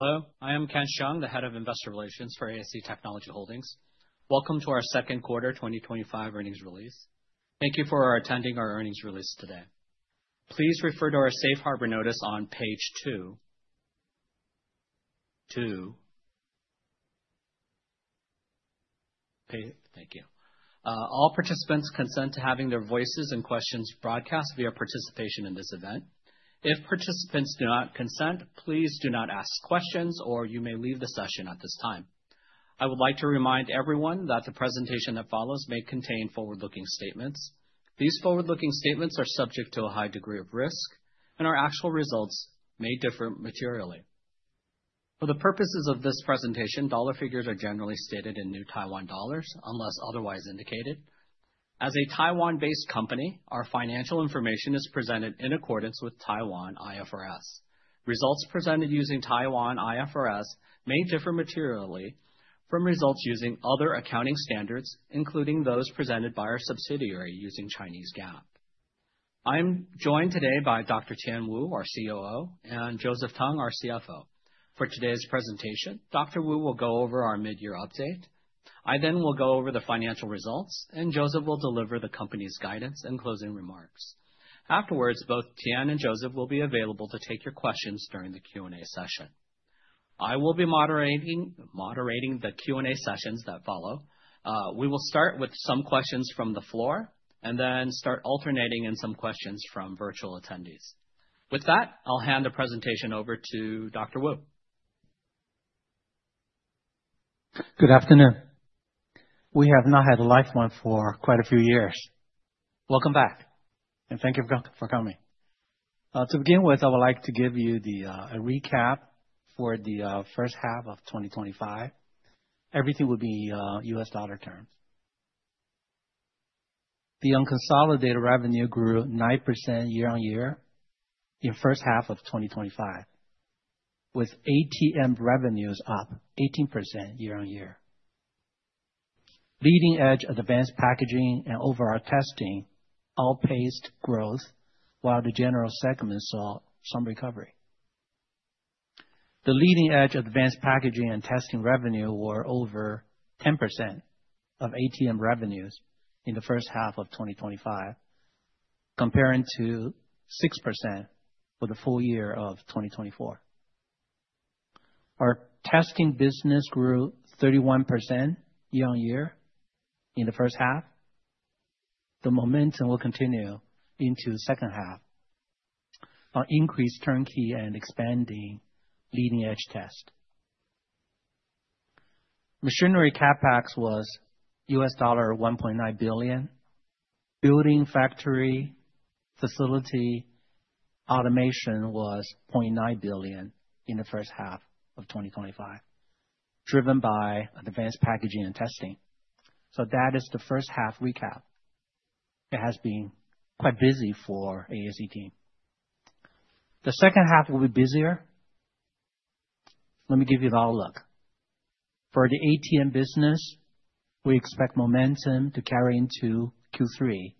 Hello. I am Ken Hsiang, the Head of Investor Relations for ASE Technology Holding Co. Welcome to our second quarter 2025 earnings release. Thank you for attending our earnings release today. Please refer to our safe harbor notice on page two. Thank you. All participants consent to having their voices and questions broadcast via participation in this event. If participants do not consent, please do not ask questions, or you may leave the session at this time. I would like to remind everyone that the presentation that follows may contain forward-looking statements. These forward-looking statements are subject to a high degree of risk, and our actual results may differ materially. For the purposes of this presentation, dollar figures are generally stated in New Taiwan dollars, unless otherwise indicated. As a Taiwan-based company, our financial information is presented in accordance with Taiwan IFRS. Results presented using Taiwan IFRS may differ materially from results using other accounting standards, including those presented by our subsidiary using Chinese GAAP. I am joined today by Dr. Tien Wu, our COO, and Joseph Tung, our CFO. For today's presentation, Dr. Wu will go over our mid-year update. I then will go over the financial results, and Joseph will deliver the company's guidance and closing remarks. Afterwards, both Tian and Joseph will be available to take your questions during the Q&A session. I will be moderating the Q&A sessions that follow. We will start with some questions from the floor and then start alternating in some questions from virtual attendees. With that, I'll hand the presentation over to Dr. Wu. Good afternoon. We have not had a live one for quite a few years. Welcome back, and thank you for coming. To begin with, I would like to give you a recap for the first half of 2025. Everything will be in U.S. dollar terms. The unconsolidated revenue grew 9% year on year in the first half of 2025, with ATM revenues up 18% year on year. Leading edge advanced packaging and overall testing outpaced growth, while the general segment saw some recovery. The leading edge advanced packaging and testing revenue were over 10% of ATM revenues in the first half of 2025, compared to 6% for the full year of 2024. Our testing business grew 31% year on year in the first half. The momentum will continue into the second half. Our increased turnkey and expanding leading edge test machinery CapEx was $1.9 billion. Building factory facility automation was $0.9 billion in the first half of 2025, driven by advanced packaging and testing. That is the first half recap. It has been quite busy for ASE team. The second half will be busier. Let me give you the outlook for the ATM business. We expect momentum to carry into Q3.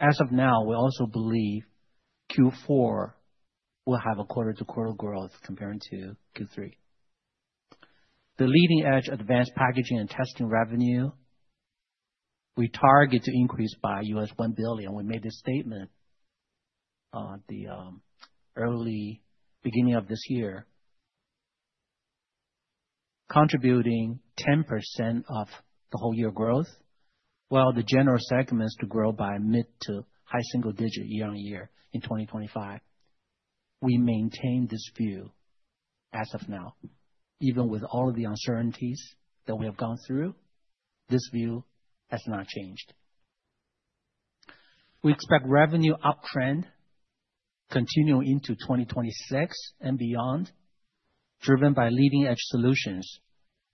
As of now, we also believe Q4 will have a quarter-to-quarter growth compared to Q3. The leading edge advanced packaging and testing revenue, we target to increase by $1 billion. We made this statement at the early beginning of this year, contributing 10% of the whole year growth, while the general segment is to grow by mid to high single digit year on year in 2025. We maintain this view as of now. Even with all of the uncertainties that we have gone through, this view has not changed. We expect revenue uptrend continuing into 2026 and beyond, driven by leading edge solutions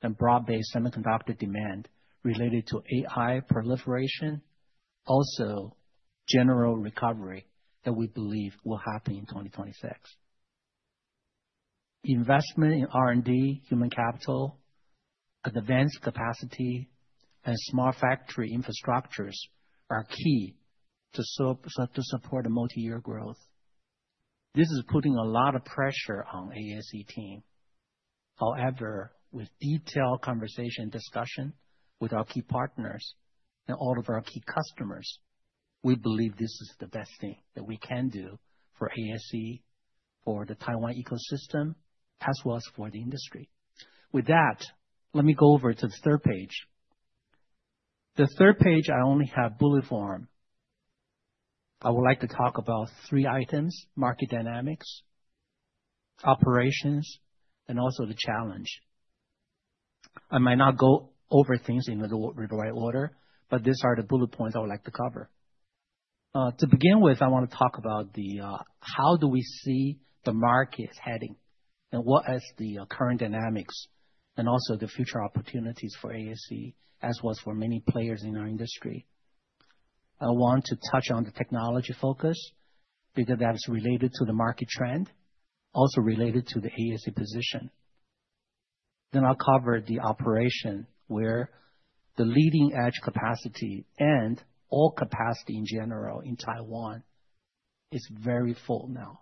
and broad-based semiconductor demand related to AI proliferation, also general recovery that we believe will happen in 2026. Investment in R&D, human capital, advanced capacity, and smart factory infrastructures are key to support the multi-year growth. This is putting a lot of pressure on ASE team. However, with detailed conversation and discussion with our key partners and all of our key customers, we believe this is the best thing that we can do for ASE, for the Taiwan ecosystem, as well as for the industry. With that, let me go over to the third page. The third page, I only have bullet form. I would like to talk about three items: market dynamics, operations, and also the challenge. I might not go over things in the right order, but these are the bullet points I would like to cover. To begin with, I want to talk about how do we see the market is heading and what is the current dynamics and also the future opportunities for ASE, as well as for many players in our industry. I want to touch on the technology focus because that is related to the market trend, also related to the ASE position. Then I'll cover the operation where the leading edge capacity and all capacity in general in Taiwan is very full now.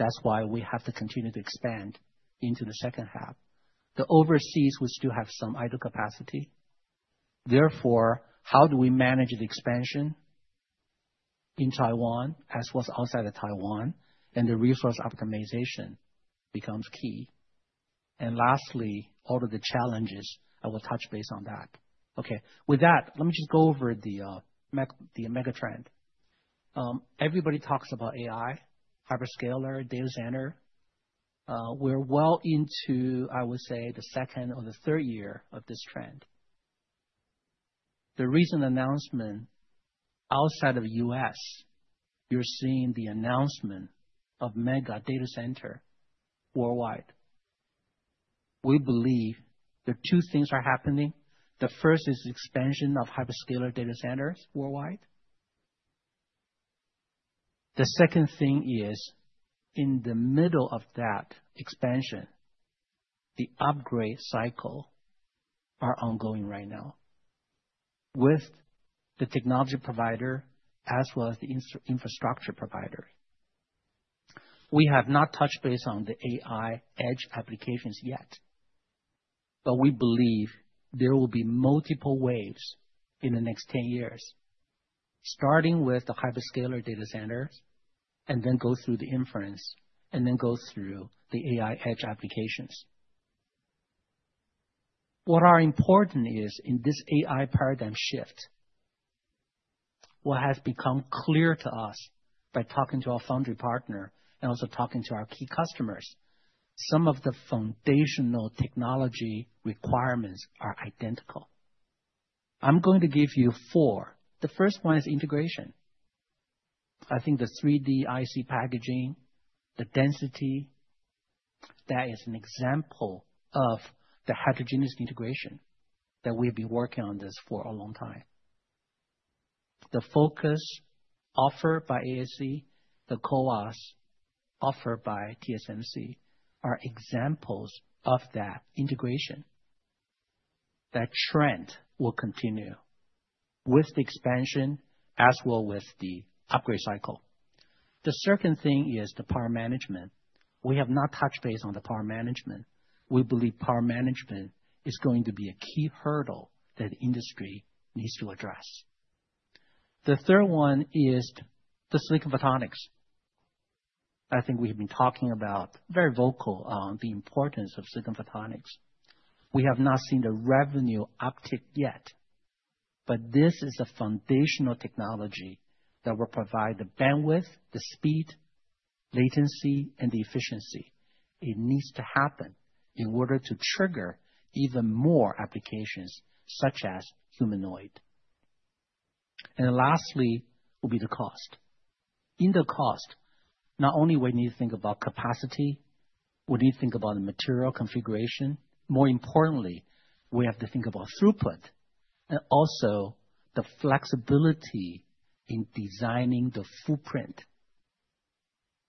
That's why we have to continue to expand into the second half. The overseas, we still have some idle capacity. Therefore, how do we manage the expansion in Taiwan, as well as outside of Taiwan, and the resource optimization becomes key. Lastly, all of the challenges I will touch based on that. Okay, with that, let me just go over the mega trend. Everybody talks about AI, hyperscaler, data center. We're well into, I would say, the second or the third year of this trend. The recent announcement outside of the U.S., you're seeing the announcement of mega data center worldwide. We believe there are two things happening. The first is the expansion of hyperscaler data centers worldwide. The second thing is, in the middle of that expansion, the upgrade cycle are ongoing right now with the technology provider as well as the infrastructure provider. We have not touched base on the AI edge applications yet, but we believe there will be multiple waves in the next 10 years, starting with the hyperscaler data centers and then go through the inference and then go through the AI edge applications. What is important is in this AI paradigm shift, what has become clear to us by talking to our foundry partner and also talking to our key customers, some of the foundational technology requirements are identical. I'm going to give you four. The first one is integration. I think the 3D IC packaging, the density, that is an example of the Heterogeneous Integration that we've been working on this for a long time. The focus offered by ASE, the CoWoS offered by TSMC are examples of that integration. That trend will continue with the expansion as well with the upgrade cycle. The second thing is the power management. We have not touched base on the power management. We believe power management is going to be a key hurdle that the industry needs to address. The third one is the silicon photonics. I think we have been very vocal on the importance of silicon photonics. We have not seen the revenue uptick yet, but this is a foundational technology that will provide the bandwidth, the speed, latency, and the efficiency. It needs to happen in order to trigger even more applications such as humanoid. Lastly, will be the cost. In the cost, not only will we need to think about capacity, we need to think about the material configuration. More importantly, we have to think about throughput and also the flexibility in designing the footprint.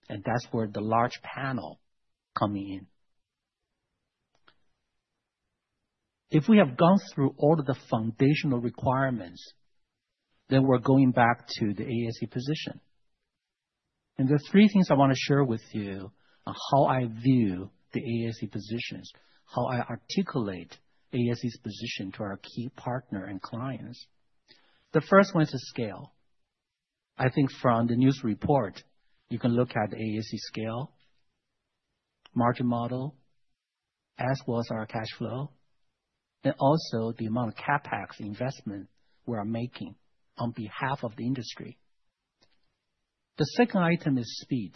That's where the large panel comes in. If we have gone through all of the foundational requirements, then we're going back to the ASE position. There are three things I want to share with you on how I view the ASE positions, how I articulate ASE's position to our key partner and clients. The first one is the scale. I think from the news report, you can look at the ASE scale, margin model, as well as our cash flow, and also the amount of CapEx investment we are making on behalf of the industry. The second item is speed.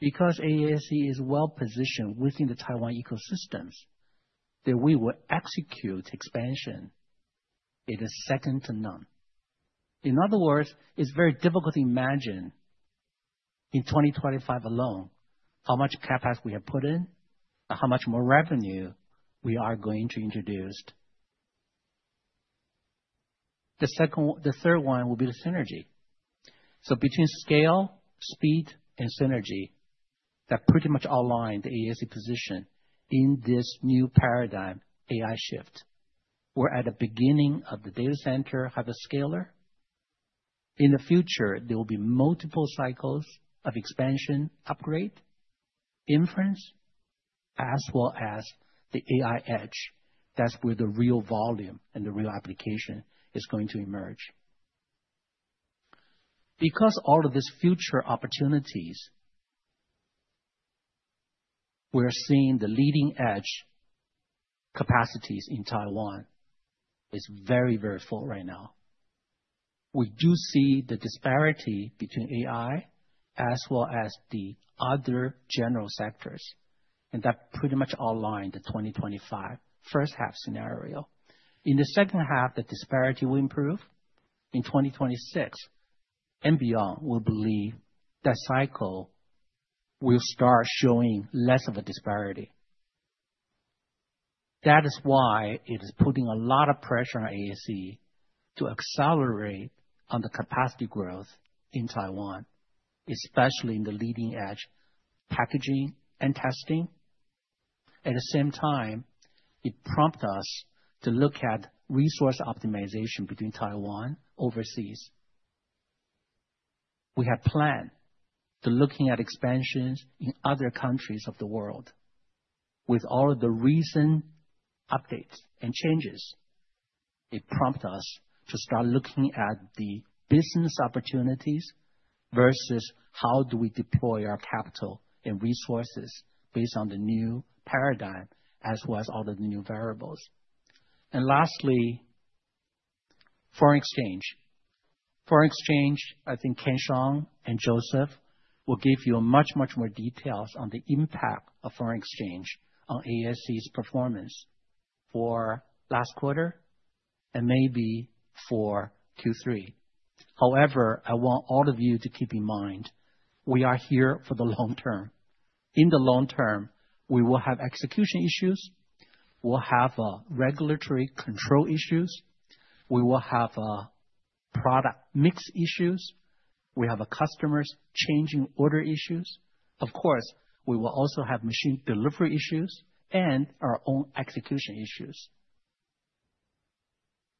Because ASE is well positioned within the Taiwan ecosystems, we will execute expansion. It is second to none. In other words, it's very difficult to imagine in 2025 alone how much CapEx we have put in and how much more revenue we are going to introduce. The third one will be the synergy. Between scale, speed, and synergy, that pretty much outlined the ASE position. In this new paradigm, AI shift. We're at the beginning of the data center hyperscaler. In the future, there will be multiple cycles of expansion, upgrade, inference, as well as the AI edge. That's where the real volume and the real application is going to emerge. Because all of these future opportunities, we're seeing the leading edge. Capacities in Taiwan are very, very full right now. We do see the disparity between AI as well as the other general sectors, and that pretty much outlined the 2025 first half scenario. In the second half, the disparity will improve. In 2026 and beyond, we believe that cycle will start showing less of a disparity. That is why it is putting a lot of pressure on ASE to accelerate on the capacity growth in Taiwan, especially in the leading edge packaging and testing. At the same time, it prompted us to look at resource optimization between Taiwan and overseas. We have planned to look at expansions in other countries of the world with all of the recent updates and changes. It prompted us to start looking at the business opportunities versus how do we deploy our capital and resources based on the new paradigm as well as all of the new variables. Lastly, foreign exchange. Foreign exchange, I think Ken Hsiang and Joseph will give you much, much more details on the impact of foreign exchange on ASE's performance for last quarter and maybe for Q3. However, I want all of you to keep in mind, we are here for the long term. In the long term, we will have execution issues. We'll have regulatory control issues. We will have product mix issues. We have customers changing order issues. Of course, we will also have machine delivery issues and our own execution issues.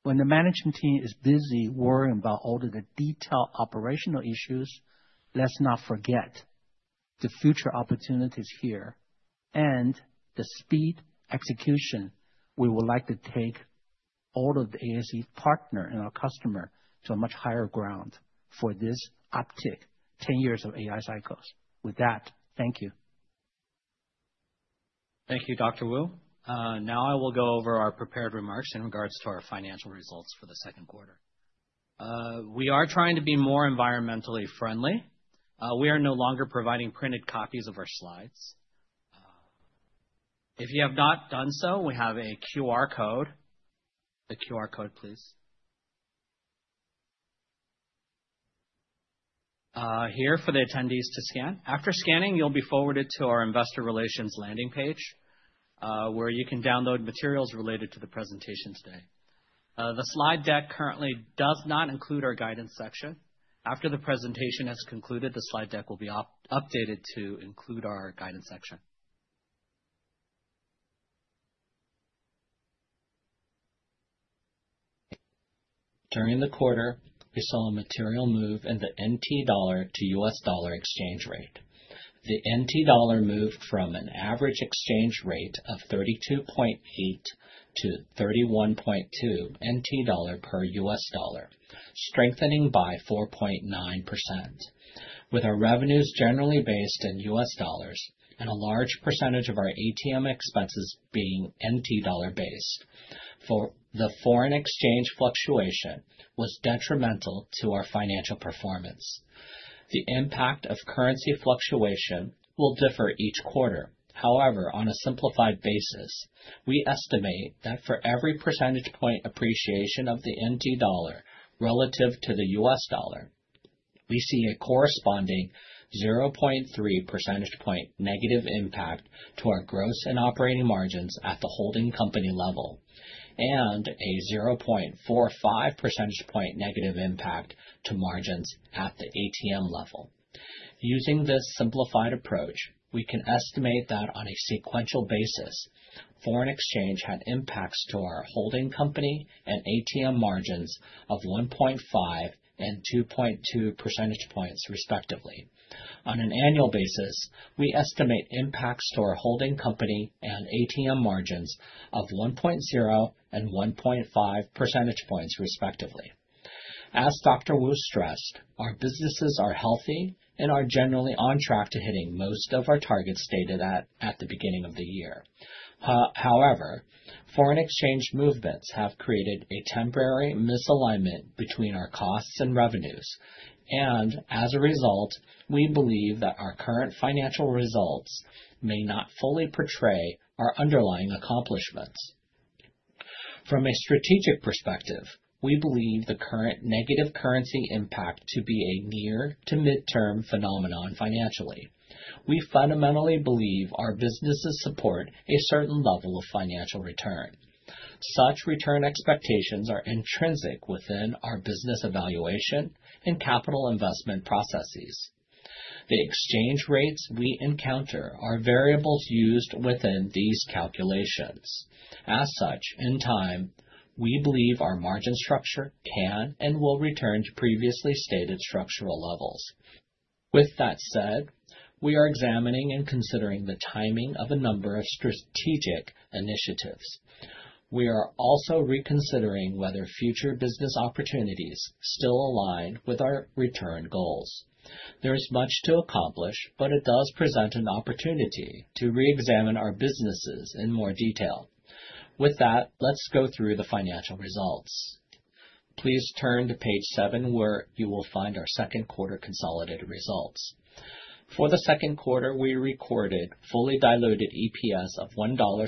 When the management team is busy worrying about all of the detailed operational issues, let's not forget the future opportunities here and the speed execution. We would like to take all of the ASE partner and our customer to a much higher ground for this uptick, 10 years of AI cycles. With that, thank you. Thank you, Dr. Wu. Now I will go over our prepared remarks in regards to our financial results for the second quarter. We are trying to be more environmentally friendly. We are no longer providing printed copies of our slides. If you have not done so, we have a QR code. The QR code, please, here for the attendees to scan. After scanning, you'll be forwarded to our investor relations landing page where you can download materials related to the presentation today. The slide deck currently does not include our guidance section. After the presentation has concluded, the slide deck will be updated to include our guidance section. During the quarter, we saw a material move in the NT dollar to U.S. dollar exchange rate. The NT dollar moved from an average exchange rate of 32.8 to 31.2 NT dollar per U.S. dollar, strengthening by 4.9%. With our revenues generally based in U.S. dollars and a large percentage of our ATM expenses being NT dollar based, the foreign exchange fluctuation was detrimental to our financial performance. The impact of currency fluctuation will differ each quarter. However, on a simplified basis, we estimate that for every percentage point appreciation of the NT dollar relative to the U.S. dollar, we see a corresponding 0.3% negative impact to our gross and operating margins at the holding company level and a 0.45% negative impact to margins at the ATM level. Using this simplified approach, we can estimate that on a sequential basis, foreign exchange had impacts to our holding company and ATM margins of 1.5 and 2.2 percentage points, respectively. On an annual basis, we estimate impacts to our holding company and ATM margins of 1.0 and 1.5 percentage points, respectively. As Dr. Wu stressed, our businesses are healthy and are generally on track to hitting most of our targets stated at the beginning of the year. However, foreign exchange movements have created a temporary misalignment between our costs and revenues, and as a result, we believe that our current financial results may not fully portray our underlying accomplishments. From a strategic perspective, we believe the current negative currency impact to be a near-to-mid-term phenomenon financially. We fundamentally believe our businesses support a certain level of financial return. Such return expectations are intrinsic within our business evaluation and capital investment processes. The exchange rates we encounter are variables used within these calculations. As such, in time, we believe our margin structure can and will return to previously stated structural levels. With that said, we are examining and considering the timing of a number of strategic initiatives. We are also reconsidering whether future business opportunities still align with our return goals. There is much to accomplish, but it does present an opportunity to re-examine our businesses in more detail. With that, let's go through the financial results. Please turn to page seven where you will find our second quarter consolidated results. For the second quarter, we recorded fully diluted EPS of 1.70 dollar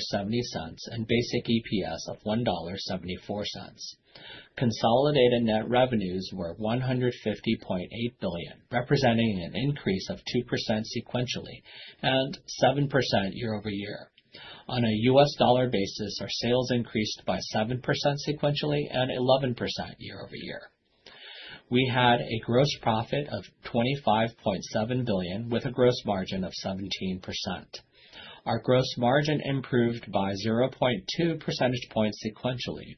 and basic EPS of 1.74 dollar. Consolidated net revenues were 150.8 billion, representing an increase of 2% sequentially and 7% year-over-year. On a U.S. dollar basis, our sales increased by 7% sequentially and 11% year-over-year. We had a gross profit of 25.7 billion with a gross margin of 17%. Our gross margin improved by 0.2 percentage points sequentially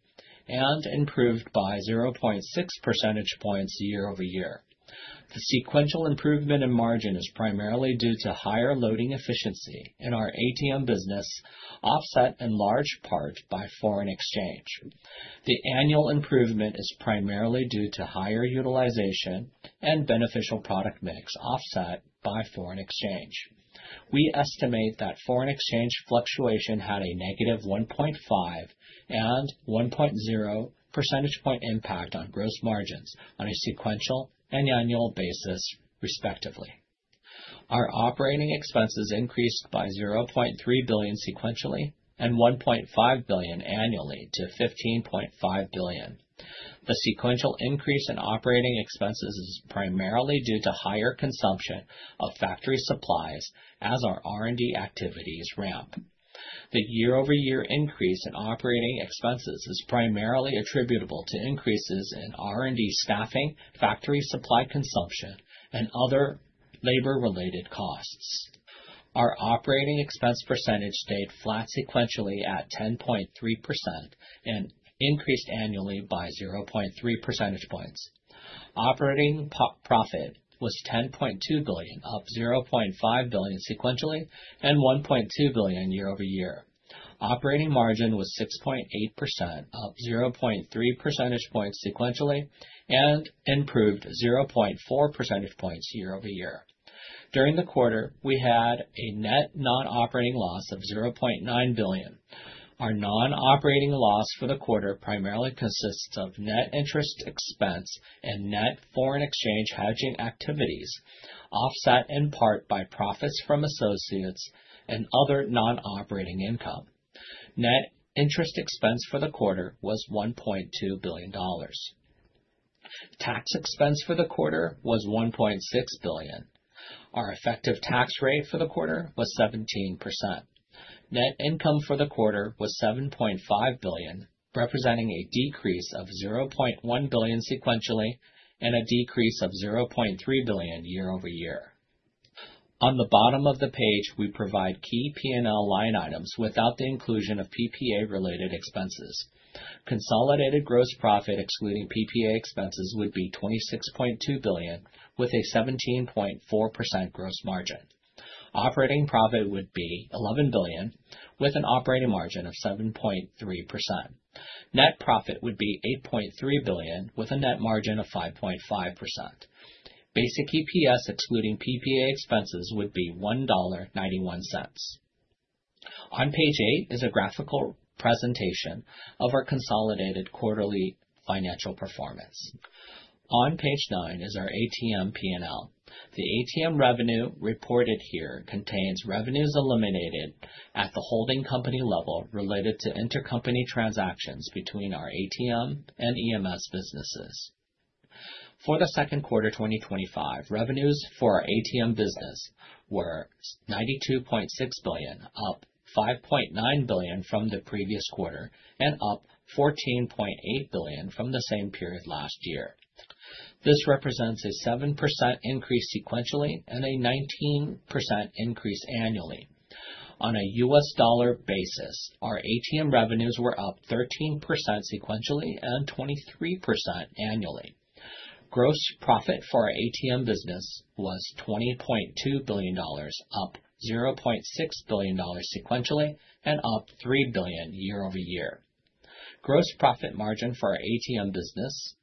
and improved by 0.6 percentage points year-over-year. The sequential improvement in margin is primarily due to higher loading efficiency in our ATM business, offset in large part by foreign exchange. The annual improvement is primarily due to higher utilization and beneficial product mix offset by foreign exchange. We estimate that foreign exchange fluctuation had a negative 1.5 and 1.0 percentage point impact on gross margins on a sequential and annual basis, respectively. Our operating expenses increased by 0.3 billion sequentially and 1.5 billion annually to 15.5 billion. The sequential increase in operating expenses is primarily due to higher consumption of factory supplies as our R&D activities ramp. The year-over-year increase in operating expenses is primarily attributable to increases in R&D staffing, factory supply consumption, and other labor-related costs. Our operating expense percentage stayed flat sequentially at 10.3% and increased annually by 0.3 percentage points. Operating profit was 10.2 billion, up 0.5 billion sequentially and 1.2 billion year-over-year. Operating margin was 6.8%, up 0.3 percentage points sequentially and improved 0.4 percentage points year-over-year. During the quarter, we had a net non-operating loss of 0.9 billion. Our non-operating loss for the quarter primarily consists of net interest expense and net foreign exchange hedging activities, offset in part by profits from associates and other non-operating income. Net interest expense for the quarter was 1.2 billion dollars. Tax expense for the quarter was 1.6 billion. Our effective tax rate for the quarter was 17%. Net income for the quarter was 7.5 billion, representing a decrease of 0.1 billion sequentially and a decrease of 0.3 billion year-over-year. On the bottom of the page, we provide key P&L line items without the inclusion of PPA-related expenses. Consolidated gross profit excluding PPA expenses would be TWD 26.2 billion with a 17.4% gross margin. Operating profit would be 11 billion with an operating margin of 7.3%. Net profit would be 8.3 billion with a net margin of 5.5%. Basic EPS excluding PPA expenses would be 1.91 dollar. On page eight is a graphical presentation of our consolidated quarterly financial performance. On page nine is our ATM P&L. The ATM revenue reported here contains revenues eliminated at the holding company level related to intercompany transactions between our ATM and EMS businesses. For the second quarter 2025, revenues for our ATM business were 92.6 billion, up 5.9 billion from the previous quarter, and up 14.8 billion from the same period last year. This represents a 7% increase sequentially and a 19% increase annually. On a U.S. dollar basis, our ATM revenues were up 13% sequentially and 23% annually. Gross profit for our ATM business was 20.2 billion dollars, up 0.6 billion dollars sequentially, and up 3 billion year-over-year. Gross profit margin for our ATM business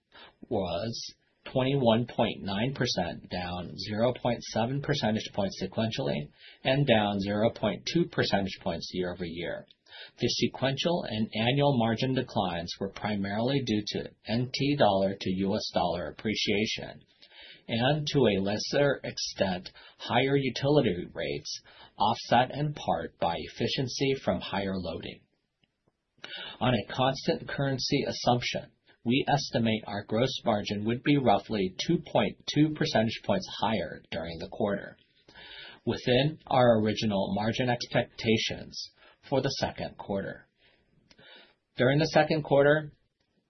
was 21.9%, down 0.7 percentage points sequentially, and down 0.2 percentage points year-over-year. The sequential and annual margin declines were primarily due to NT dollar to U.S. dollar appreciation and, to a lesser extent, higher utility rates, offset in part by efficiency from higher loading. On a constant currency assumption, we estimate our gross margin would be roughly 2.2 percentage points higher during the quarter within our original margin expectations for the second quarter. During the second quarter,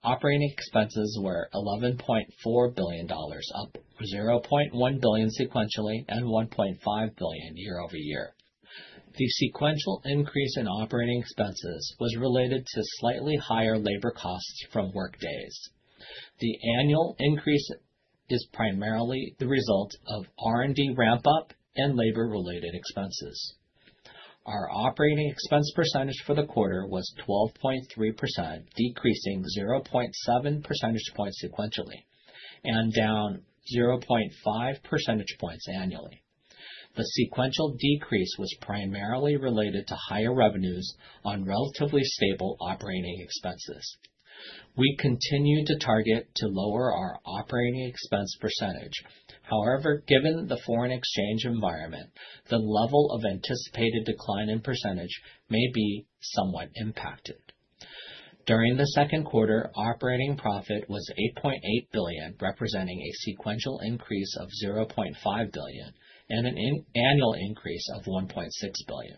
operating expenses were 11.4 billion dollars, up 0.1 billion sequentially and 1.5 billion year-over-year. The sequential increase in operating expenses was related to slightly higher labor costs from workdays. The annual increase is primarily the result of R&D ramp-up and labor-related expenses. Our operating expense percentage for the quarter was 12.3%, decreasing 0.7 percentage points sequentially and down 0.5 percentage points annually. The sequential decrease was primarily related to higher revenues on relatively stable operating expenses. We continue to target to lower our operating expense percentage. However, given the foreign exchange environment, the level of anticipated decline in percentage may be somewhat impacted. During the second quarter, operating profit was 8.8 billion, representing a sequential increase of 0.5 billion and an annual increase of 1.6 billion.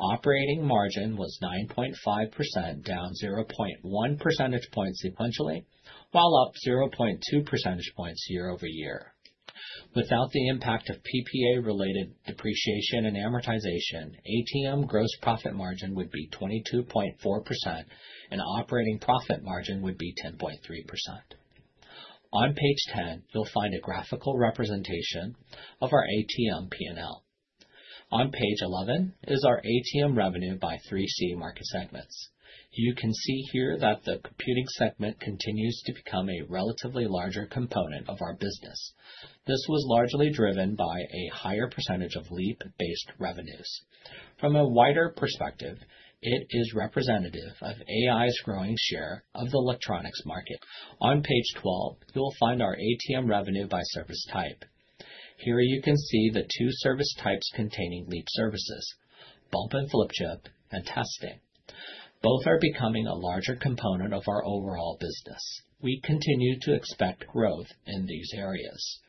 Operating margin was 9.5%, down 0.1 percentage points sequentially, while up 0.2 percentage points year-over-year. Without the impact of PPA-related depreciation and amortization, ATM gross profit margin would be 22.4%, and operating profit margin would be 10.3%. On page 10, you'll find a graphical representation of our ATM P&L. On page 11 is our ATM revenue by three C market segments. You can see here that the computing segment continues to become a relatively larger component of our business. This was largely driven by a higher percentage of LEAP-based revenues. From a wider perspective, it is representative of AI's growing share of the electronics market. On page 12, you'll find our ATM revenue by service type. Here you can see the two service types containing LEAP services, bulk and flip chip, and testing. Both are becoming a larger component of our overall business. We continue to expect growth in these areas.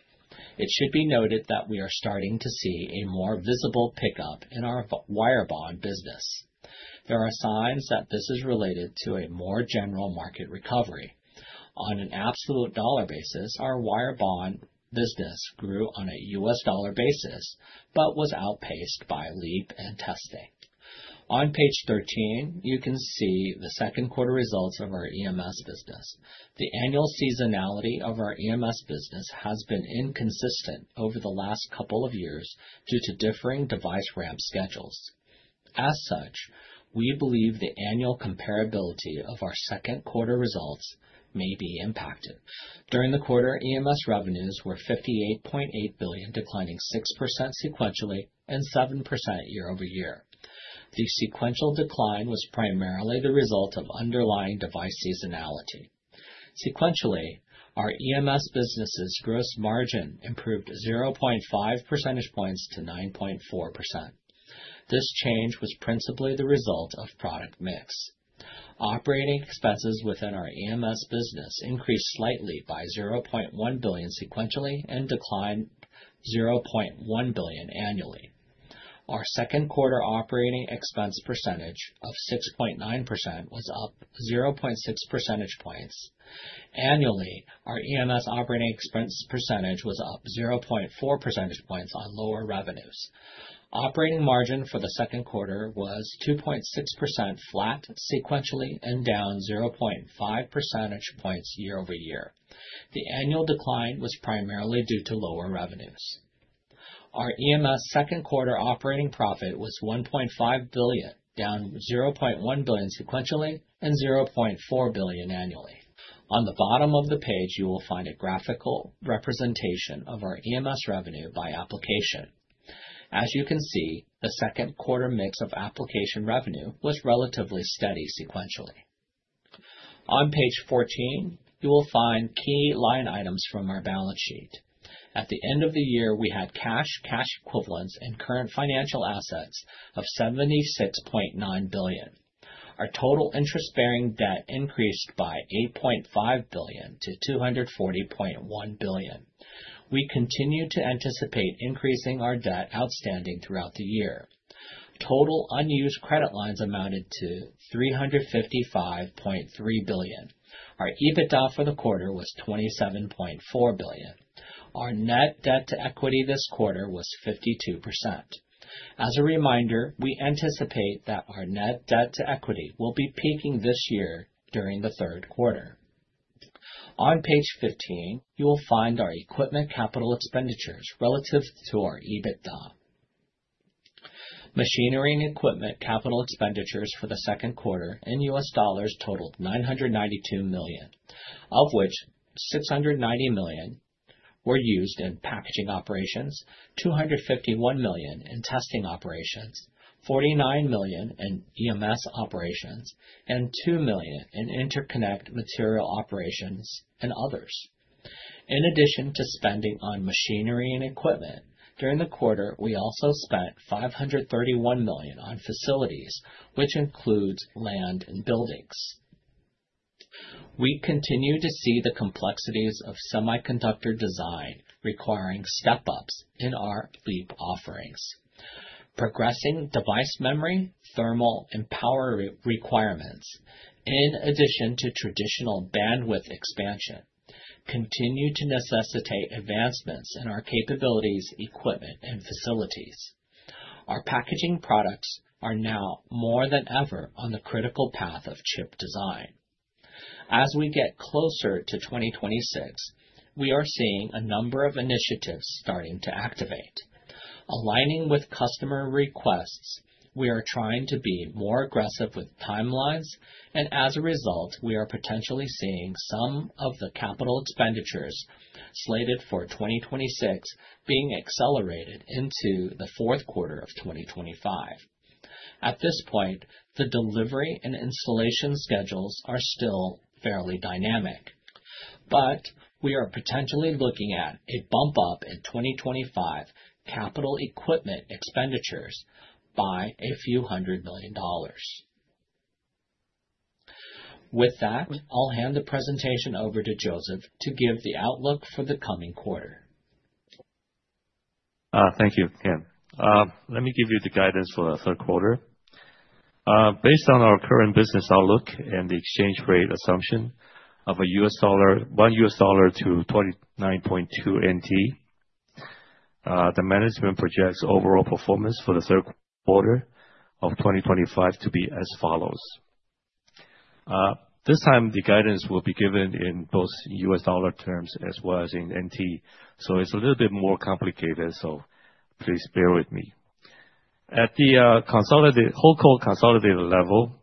It should be noted that we are starting to see a more visible pickup in our wire bond business. There are signs that this is related to a more general market recovery. On an absolute dollar basis, our wire bond business grew on a U.S. dollar basis but was outpaced by LEAP and testing. On page 13, you can see the second quarter results of our EMS business. The annual seasonality of our EMS business has been inconsistent over the last couple of years due to differing device ramp schedules. As such, we believe the annual comparability of our second quarter results may be impacted. During the quarter, EMS revenues were 58.8 billion, declining 6% sequentially and 7% year-over-year. The sequential decline was primarily the result of underlying device seasonality. Sequentially, our EMS business's gross margin improved 0.5 percentage points to 9.4%. This change was principally the result of product mix. Operating expenses within our EMS business increased slightly by 0.1 billion sequentially and declined 0.1 billion annually. Our second quarter operating expense percentage of 6.9% was up 0.6 percentage points. Annually, our EMS operating expense percentage was up 0.4 percentage points on lower revenues. Operating margin for the second quarter was 2.6%, flat sequentially and down 0.5 percentage points year-over-year. The annual decline was primarily due to lower revenues. Our EMS second quarter operating profit was 1.5 billion, down 0.1 billion sequentially, and 0.4 billion annually. On the bottom of the page, you will find a graphical representation of our EMS revenue by application. As you can see, the second quarter mix of application revenue was relatively steady sequentially. On page 14, you will find key line items from our balance sheet. At the end of the year, we had cash, cash equivalents, and current financial assets of 76.9 billion. Our total interest-bearing debt increased by 8.5 billion to 240.1 billion. We continue to anticipate increasing our debt outstanding throughout the year. Total unused credit lines amounted to 355.3 billion. Our EBITDA for the quarter was 27.4 billion. Our net debt to equity this quarter was 52%. As a reminder, we anticipate that our net debt to equity will be peaking this year during the third quarter. On page 15, you will find our equipment capital expenditures relative to our EBITDA. Machinery and equipment capital expenditures for the second quarter in U.S. dollars totaled $992 million, of which $690 million were used in packaging operations, $251 million in testing operations, $49 million in EMS operations, and $2 million in interconnect material operations and others. In addition to spending on machinery and equipment, during the quarter, we also spent $531 million on facilities, which includes land and buildings. We continue to see the complexities of semiconductor design requiring step-ups in our LEAP offerings. Progressing device memory, thermal, and power requirements, in addition to traditional bandwidth expansion, continue to necessitate advancements in our capabilities, equipment, and facilities. Our packaging products are now more than ever on the critical path of chip design. As we get closer to 2026, we are seeing a number of initiatives starting to activate. Aligning with customer requests, we are trying to be more aggressive with timelines, and as a result, we are potentially seeing some of the capital expenditures slated for 2026 being accelerated into the fourth quarter of 2025. At this point, the delivery and installation schedules are still fairly dynamic, but we are potentially looking at a bump up in 2025 capital equipment expenditures by a few hundred million dollars. With that, I'll hand the presentation over to Joseph to give the outlook for the coming quarter. Thank you, Ken. Let me give you the guidance for the third quarter. Based on our current business outlook and the exchange rate assumption of a U.S. dollar, one U.S. dollar to 29.2 NT. The management projects overall performance for the third quarter of 2025 to be as follows. This time, the guidance will be given in both U.S. dollar terms as well as in NT. It's a little bit more complicated, so please bear with me. At the hold consolidated level,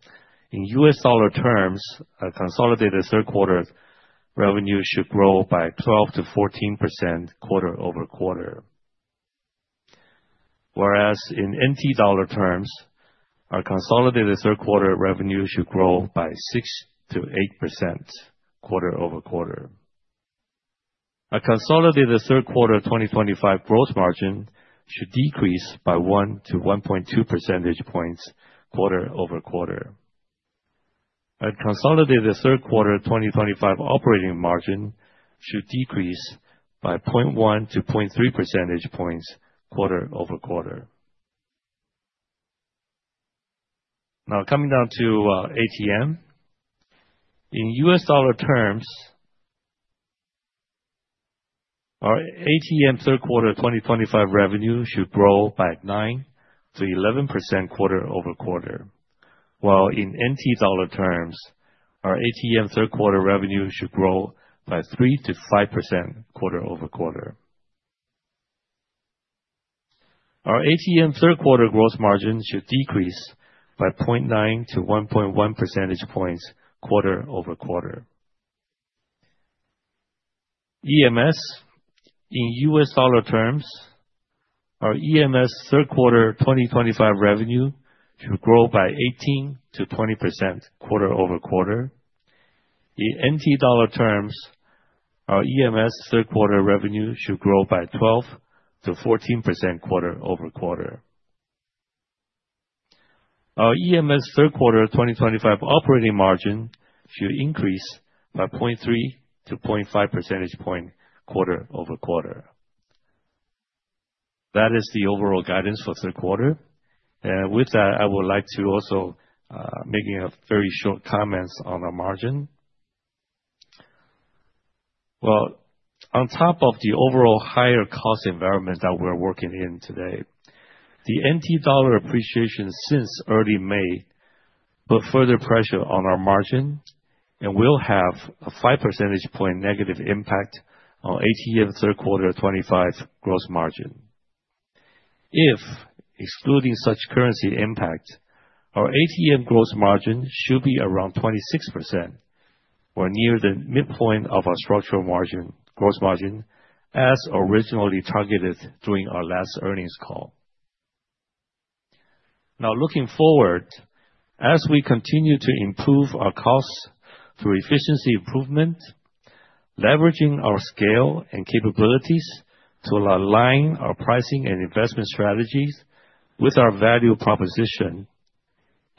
in U.S. dollar terms, a consolidated third quarter revenue should grow by 12% to 14% quarter-over-quarter. Whereas in NT dollar terms, our consolidated third quarter revenue should grow by 6% to 8% quarter-over-quarter. A consolidated third quarter 2025 gross margin should decrease by 1% to 1.2% quarter-over-quarter. A consolidated third quarter 2025 operating margin should decrease by 0.1% to 0.3% quarter-over-quarter. Now, coming down to ATM. In U.S. dollar terms. Our ATM third quarter 2025 revenue should grow by 9% to 11% quarter-over-quarter, while in NT dollar terms, our ATM third quarter revenue should grow by 3% to 5% quarter-over-quarter. Our ATM third quarter gross margin should decrease by 0.9% to 1.1% points quarter-over-quarter. EMS. In U.S. dollar terms, our EMS third quarter 2025 revenue should grow by 18% to 20% quarter-over-quarter. In NT dollar terms, our EMS third quarter revenue should grow by 12% to 14% quarter-over-quarter. Our EMS third quarter 2025 operating margin should increase by 0.3% to 0.5% points quarter-over-quarter. That is the overall guidance for third quarter. With that, I would like to also make a very short comment on our margin. On top of the overall higher cost environment that we're working in today, the NT dollar appreciation since early May put further pressure on our margin and will have a 5% negative impact on ATM third quarter 2025 gross margin. If, excluding such currency impact, our ATM gross margin should be around 26% or near the midpoint of our structural margin gross margin as originally targeted during our last earnings call. Now, looking forward, as we continue to improve our costs through efficiency improvement, leveraging our scale and capabilities to align our pricing and investment strategies with our value proposition,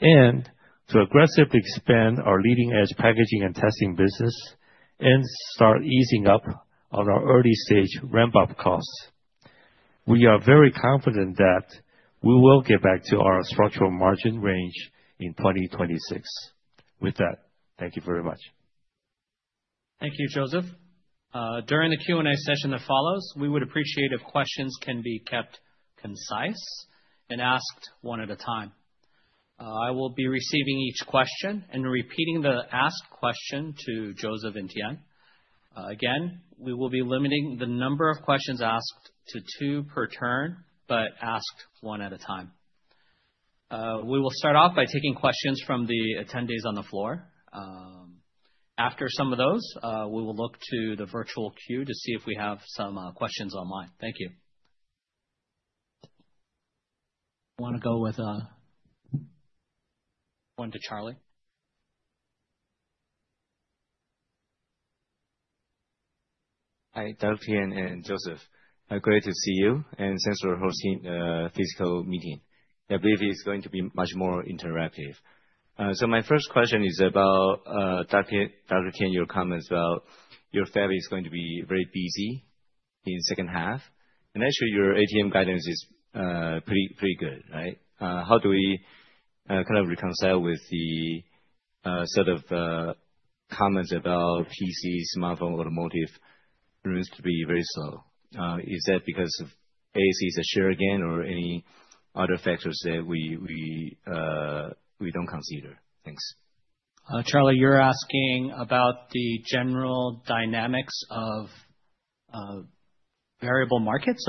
and to aggressively expand our leading-edge packaging and testing business, and start easing up on our early-stage ramp-up costs, we are very confident that we will get back to our structural margin range in 2026. With that, thank you very much. Thank you, Joseph. During the Q&A session that follows, we would appreciate if questions can be kept concise and asked one at a time. I will be receiving each question and repeating the asked question to Joseph and Tien. Again, we will be limiting the number of questions asked to two per turn, but asked one at a time. We will start off by taking questions from the attendees on the floor. After some of those, we will look to the virtual queue to see if we have some questions online. Thank you. I want to go with one to Charlie. Hi, Dr. Tien and Joseph. Great to see you and thanks for hosting the physical meeting. I believe it's going to be much more interactive. My first question is about Dr. Tien, your comments about your family is going to be very busy in the second half. Actually, your ATM guidance is pretty good, right? How do we kind of reconcile with the set of comments about PCs, smartphones, automotive rooms to be very slow? Is that because of ASE's share again or any other factors that we don't consider? Thanks. Charlie, you're asking about the general dynamics of variable markets?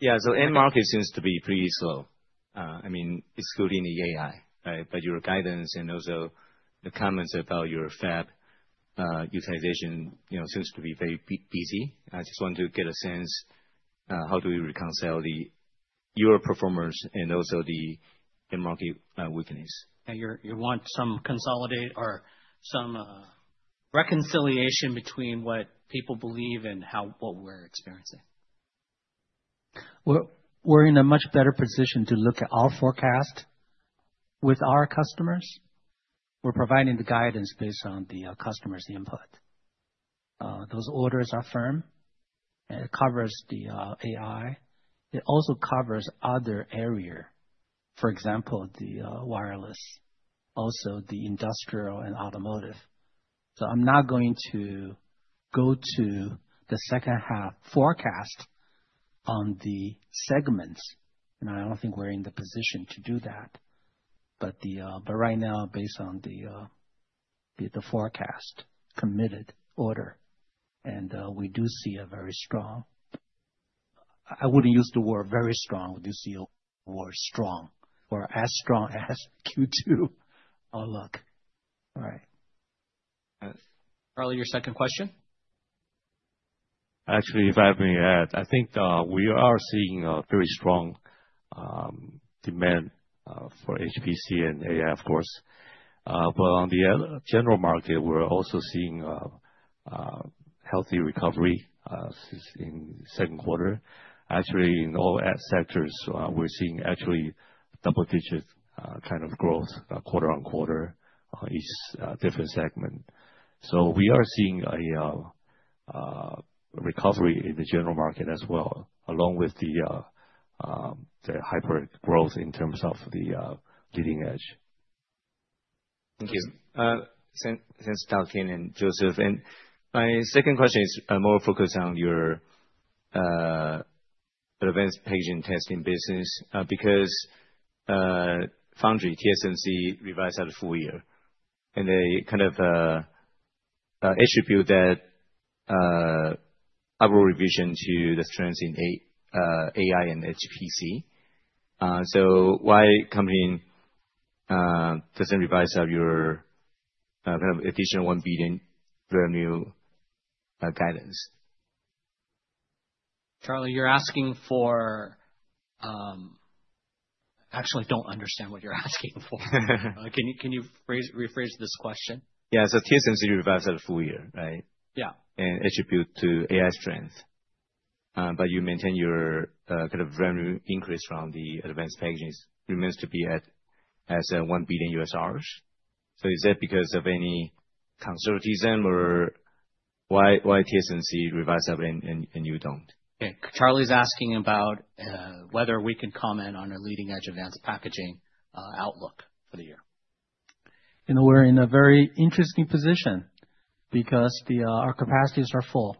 Yeah, so end markets seem to be pretty slow, excluding the AI, right? Your guidance and also the comments about your fab utilization seem to be very busy. I just want to get a sense. How do we reconcile your performance and also the end market weakness? You want some consolidate or some reconciliation between what people believe and what we're experiencing. We're in a much better position to look at our forecast with our customers. We're providing the guidance based on the customer's input. Those orders are firm. It covers the AI. It also covers other areas, for example, the wireless, also the industrial and automotive. I'm not going to go to the second-half forecast on the segments. I don't think we're in the position to do that. Right now, based on the forecast, committed order, we do see a strong— I wouldn't use the word very strong. We do see a word strong. Or as strong as Q2. All luck. All right. Charlie, your second question? Actually, if I may add, I think we are seeing a very strong demand for HPC and AI, of course. On the general market, we're also seeing healthy recovery in the second quarter. Actually, in all sectors, we're seeing actually double-digit kind of growth quarter on quarter in each different segment. We are seeing a recovery in the general market as well, along with the hyper growth in terms of the leading edge. Thank you. Thanks, Dr. Tien and Joseph. My second question is more focused on your advanced packaging testing business because foundry TSMC revised out of full year. They kind of attribute that upward revision to the strengths in AI and HPC. Why company doesn't revise out your kind of additional 1 billion revenue guidance? Charlie, you're asking for— Actually, I don't understand what you're asking for. Can you rephrase this question? Yeah, so TSMC revised out of full year, right? Yeah. Attribute to AI strength. You maintain your kind of revenue increase from the advanced packaging remains to be at TWD 1 billion. Is that because of any conservatism or why TSMC revised out and you don't? Okay. Charlie's asking about. Whether we can comment on a leading-edge advanced packaging outlook for the year. You know, we're in a very interesting position because our capacities are full.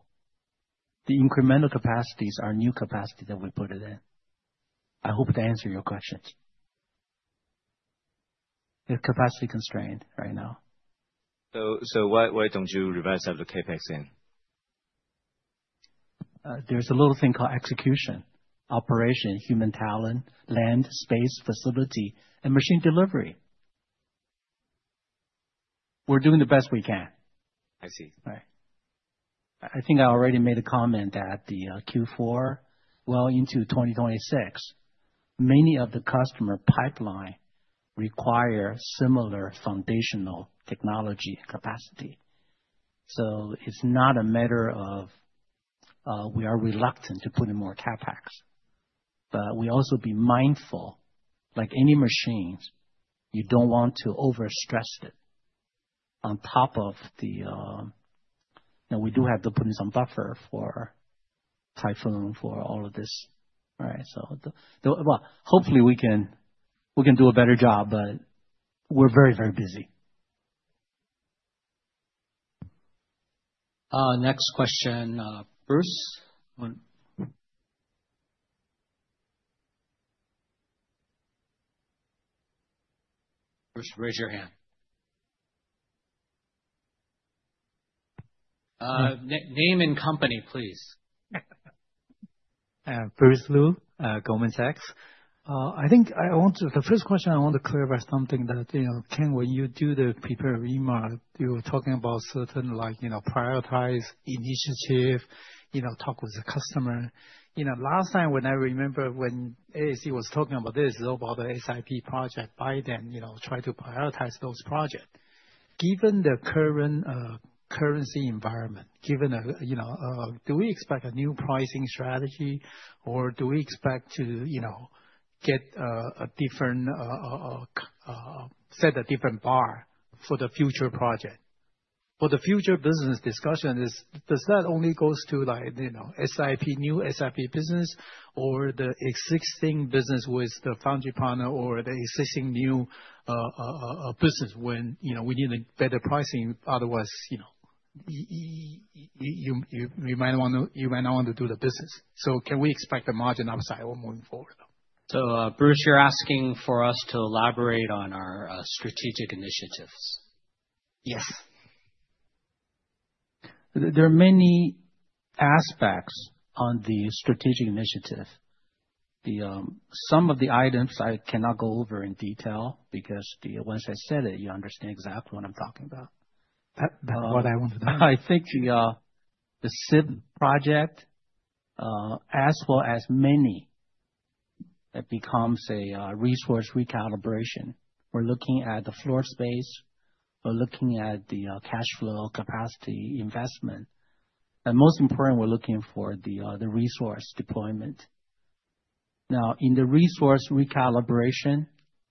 The incremental capacities are new capacity that we put in. I hope to answer your questions. They're capacity constrained right now. Why don't you revise out of the CapEx in? There's a little thing called execution, operation, human talent, land, space, facility, and machine delivery. We're doing the best we can. I see. Right. I think I already made a comment that the Q4, well into 2026. Many of the customer pipeline require similar foundational technology capacity. It's not a matter of we are reluctant to put in more CapEx. We also be mindful, like any machines, you don't want to overstress it. On top of the— Now we do have to put in some buffer for typhoon, for all of this, right? Hopefully we can do a better job, but we're very, very busy. Next question, Bruce. Bruce, raise your hand. Name and company, please. Bruce Lu, Goldman Sachs. I think I want to—the first question, I want to clarify something that, Tien, when you do the prepared remark, you were talking about certain prioritized initiative, talk with the customer. Last time, when I remember when ASE was talking about this, low-voltage SIP project, Biden tried to prioritize those projects. Given the current currency environment, given— Do we expect a new pricing strategy or do we expect to get a different set of different bar for the future project? For the future business discussion, does that only go to new SIP business or the existing business with the foundry partner or the existing new business when we need better pricing? Otherwise, you might not want to do the business. Can we expect a margin upside or moving forward? Bruce, you're asking for us to elaborate on our strategic initiatives. Yes. There are many aspects on the strategic initiative. Some of the items I cannot go over in detail because once I said it, you understand exactly what I'm talking about. That's what I wanted to know. I think the SIP project, as well as many, that becomes a resource recalibration. We're looking at the floor space. We're looking at the cash flow capacity investment. Most important, we're looking for the resource deployment. In the resource recalibration,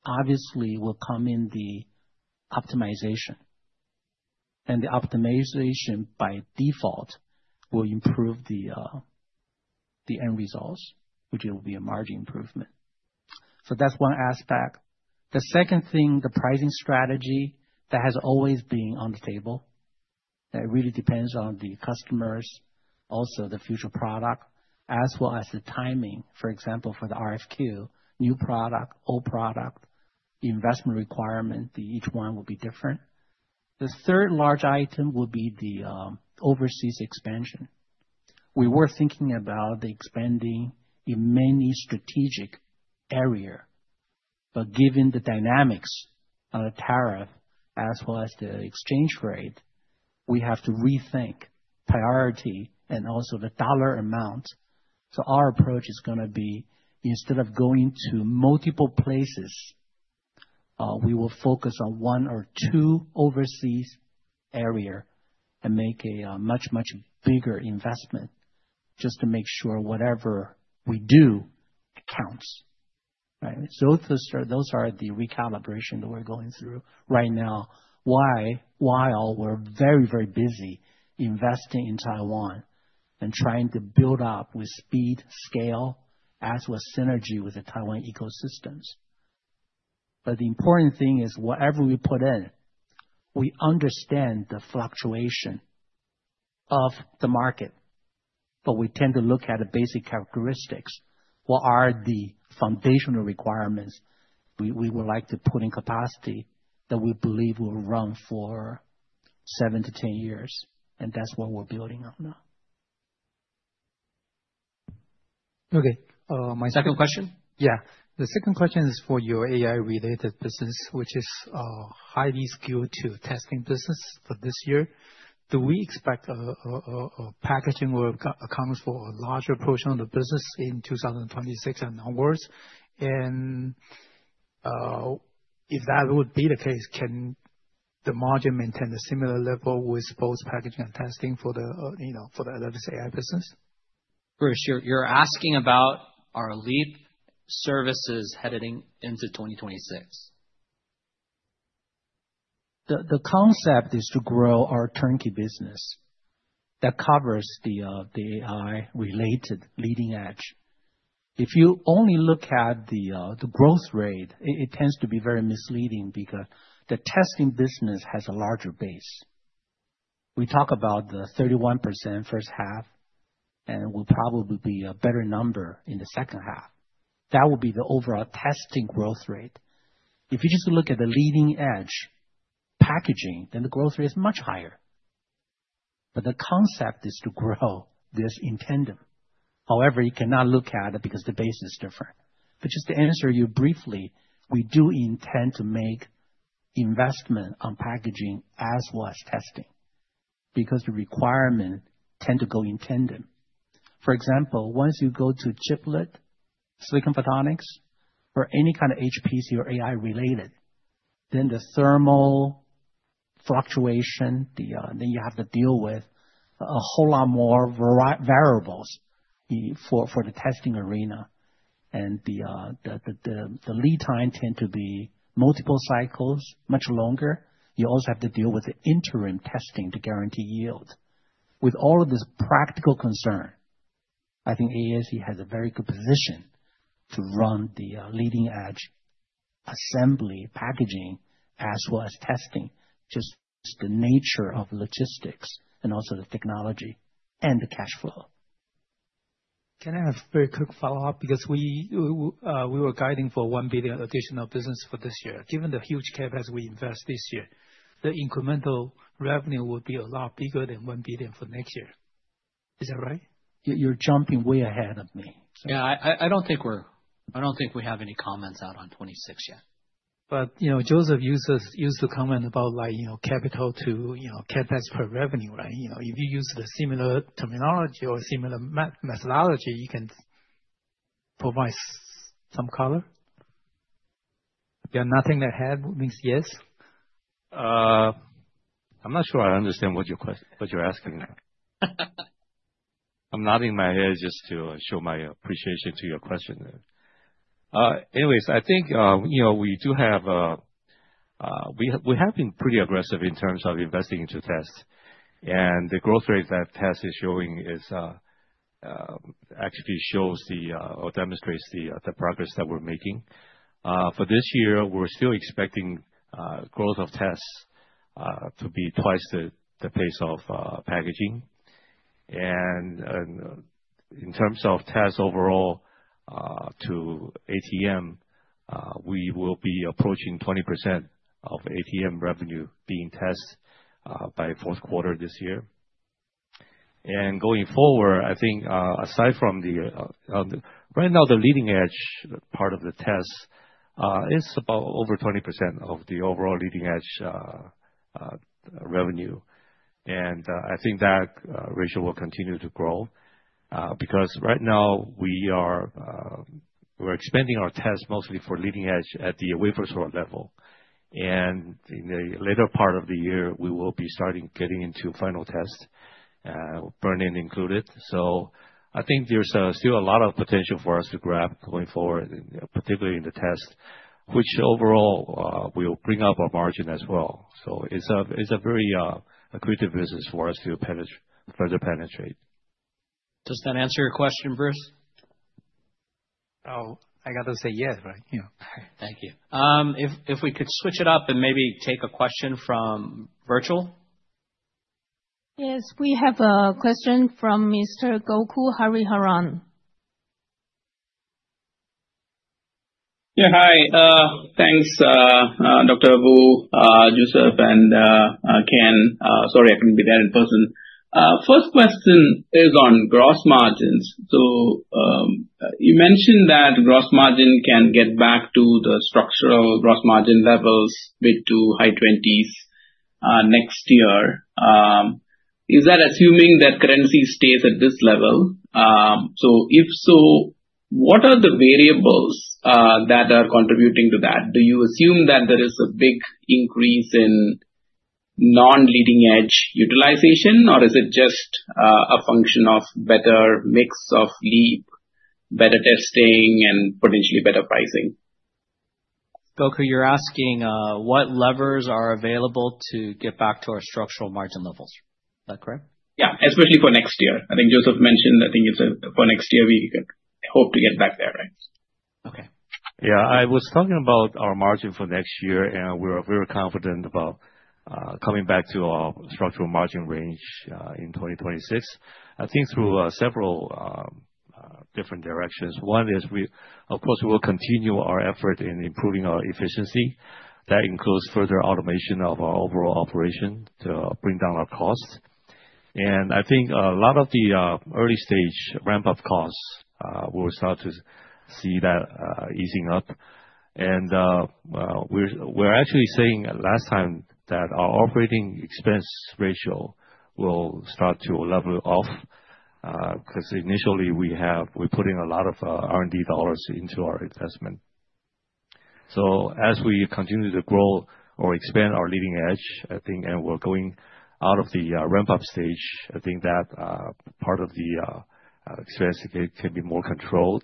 obviously, will come in the optimization. The optimization, by default, will improve the end results, which will be a margin improvement. That's one aspect. The second thing, the pricing strategy that has always been on the table. That really depends on the customers, also the future product, as well as the timing. For example, for the RFQ, new product, old product, investment requirement, each one will be different. The third large item will be the overseas expansion. We were thinking about expanding in many strategic areas. Given the dynamics of the tariff, as well as the exchange rate, we have to rethink priority and also the dollar amount. Our approach is going to be, instead of going to multiple places, we will focus on one or two overseas areas and make a much, much bigger investment just to make sure whatever we do counts. Those are the recalibrations that we're going through right now, while we're very, very busy investing in Taiwan and trying to build up with speed, scale, as well as synergy with the Taiwan ecosystems. The important thing is, whatever we put in, we understand the fluctuation of the market. We tend to look at the basic characteristics. What are the foundational requirements? We would like to put in capacity that we believe will run for 7 to 10 years, and that's what we're building on now. My second question? The second question is for your AI-related business, which is a highly skilled testing business for this year. Do we expect packaging or accounting for a larger portion of the business in 2026 and onwards? If that would be the case, can the margin maintain a similar level with both packaging and testing for the, let's say, AI business? Bruce, you're asking about our lead services heading into 2026. The concept is to grow our turnkey business that covers the AI-related leading edge. If you only look at the growth rate, it tends to be very misleading because the testing business has a larger base. We talk about the 31% first half, and it will probably be a better number in the second half. That will be the overall testing growth rate. If you just look at the leading edge packaging, then the growth rate is much higher. The concept is to grow this in tandem. However, you cannot look at it because the base is different. Just to answer you briefly, we do intend to make investment on packaging as well as testing because the requirements tend to go in tandem. For example, once you go to chiplet, silicon photonics, or any kind of HPC or AI-related, then the thermal fluctuation, then you have to deal with. A whole lot more variables for the testing arena. The lead time tends to be multiple cycles, much longer. You also have to deal with the interim testing to guarantee yield. With all of this practical concern, I think ASE has a very good position to run the leading edge assembly, packaging, as well as testing, just the nature of logistics and also the technology and the cash flow. Can I have a very quick follow-up? Because we were guiding for 1 billion additional business for this year. Given the huge CapEx we invest this year, the incremental revenue will be a lot bigger than 1 billion for next year. Is that right? You're jumping way ahead of me. Yeah, I don't think we're—I don't think we have any comments out on 2026 yet. Joseph used to comment about capital to CapEx per revenue, right? If you use the similar terminology or similar methodology, you can provide some color? Yeah, nothing ahead means yes? I'm not sure I understand what you're asking now. I'm nodding my head just to show my appreciation to your question. Anyways, I think we have been pretty aggressive in terms of investing into tests, and the growth rate that test is showing actually shows or demonstrates the progress that we're making. For this year, we're still expecting growth of tests to be twice the pace of packaging. In terms of tests overall to ATM, we will be approaching 20% of ATM revenue being tested by fourth quarter this year. Going forward, I think aside from the—right now, the leading edge part of the tests is about over 20% of the overall leading edge revenue, and I think that ratio will continue to grow. Right now, we're expanding our tests mostly for leading edge at the wafer store level, and in the later part of the year, we will be starting getting into final tests, burning included. I think there's still a lot of potential for us to grab going forward, particularly in the tests, which overall will bring up our margin as well. It's a very accretive business for us to further penetrate. Does that answer your question, Bruce? Oh, I got to say yes, right? Thank you. If we could switch it up and maybe take a question from virtual? Yes, we have a question from Mr. Gokul Hariharan. Yeah, hi. Thanks, Dr. Wu, Joseph, and Ken. Sorry, I couldn't be there in person. First question is on gross margins. You mentioned that gross margin can get back to the structural gross margin levels mid to high 20% next year. Is that assuming that currency stays at this level? If so, what are the variables that are contributing to that? Do you assume that there is a big increase in non-leading edge utilization, or is it just a function of better mix of lead, better testing, and potentially better pricing? Gokul, you're asking what levers are available to get back to our structural margin levels. Is that correct? Yeah, especially for next year. I think Joseph mentioned I think for next year, we hope to get back there, right? Okay. I was talking about our margin for next year, and we are very confident about coming back to our structural margin range in 2026. I think through several different directions. One is, of course, we will continue our effort in improving our efficiency. That includes further automation of our overall operation to bring down our costs. I think a lot of the early stage ramp-up costs, we will start to see that easing up. We're actually saying last time that our operating expense ratio will start to level off because initially, we put in a lot of R&D dollars into our investment. As we continue to grow or expand our leading edge, and we're going out of the ramp-up stage, I think that part of the expense can be more controlled.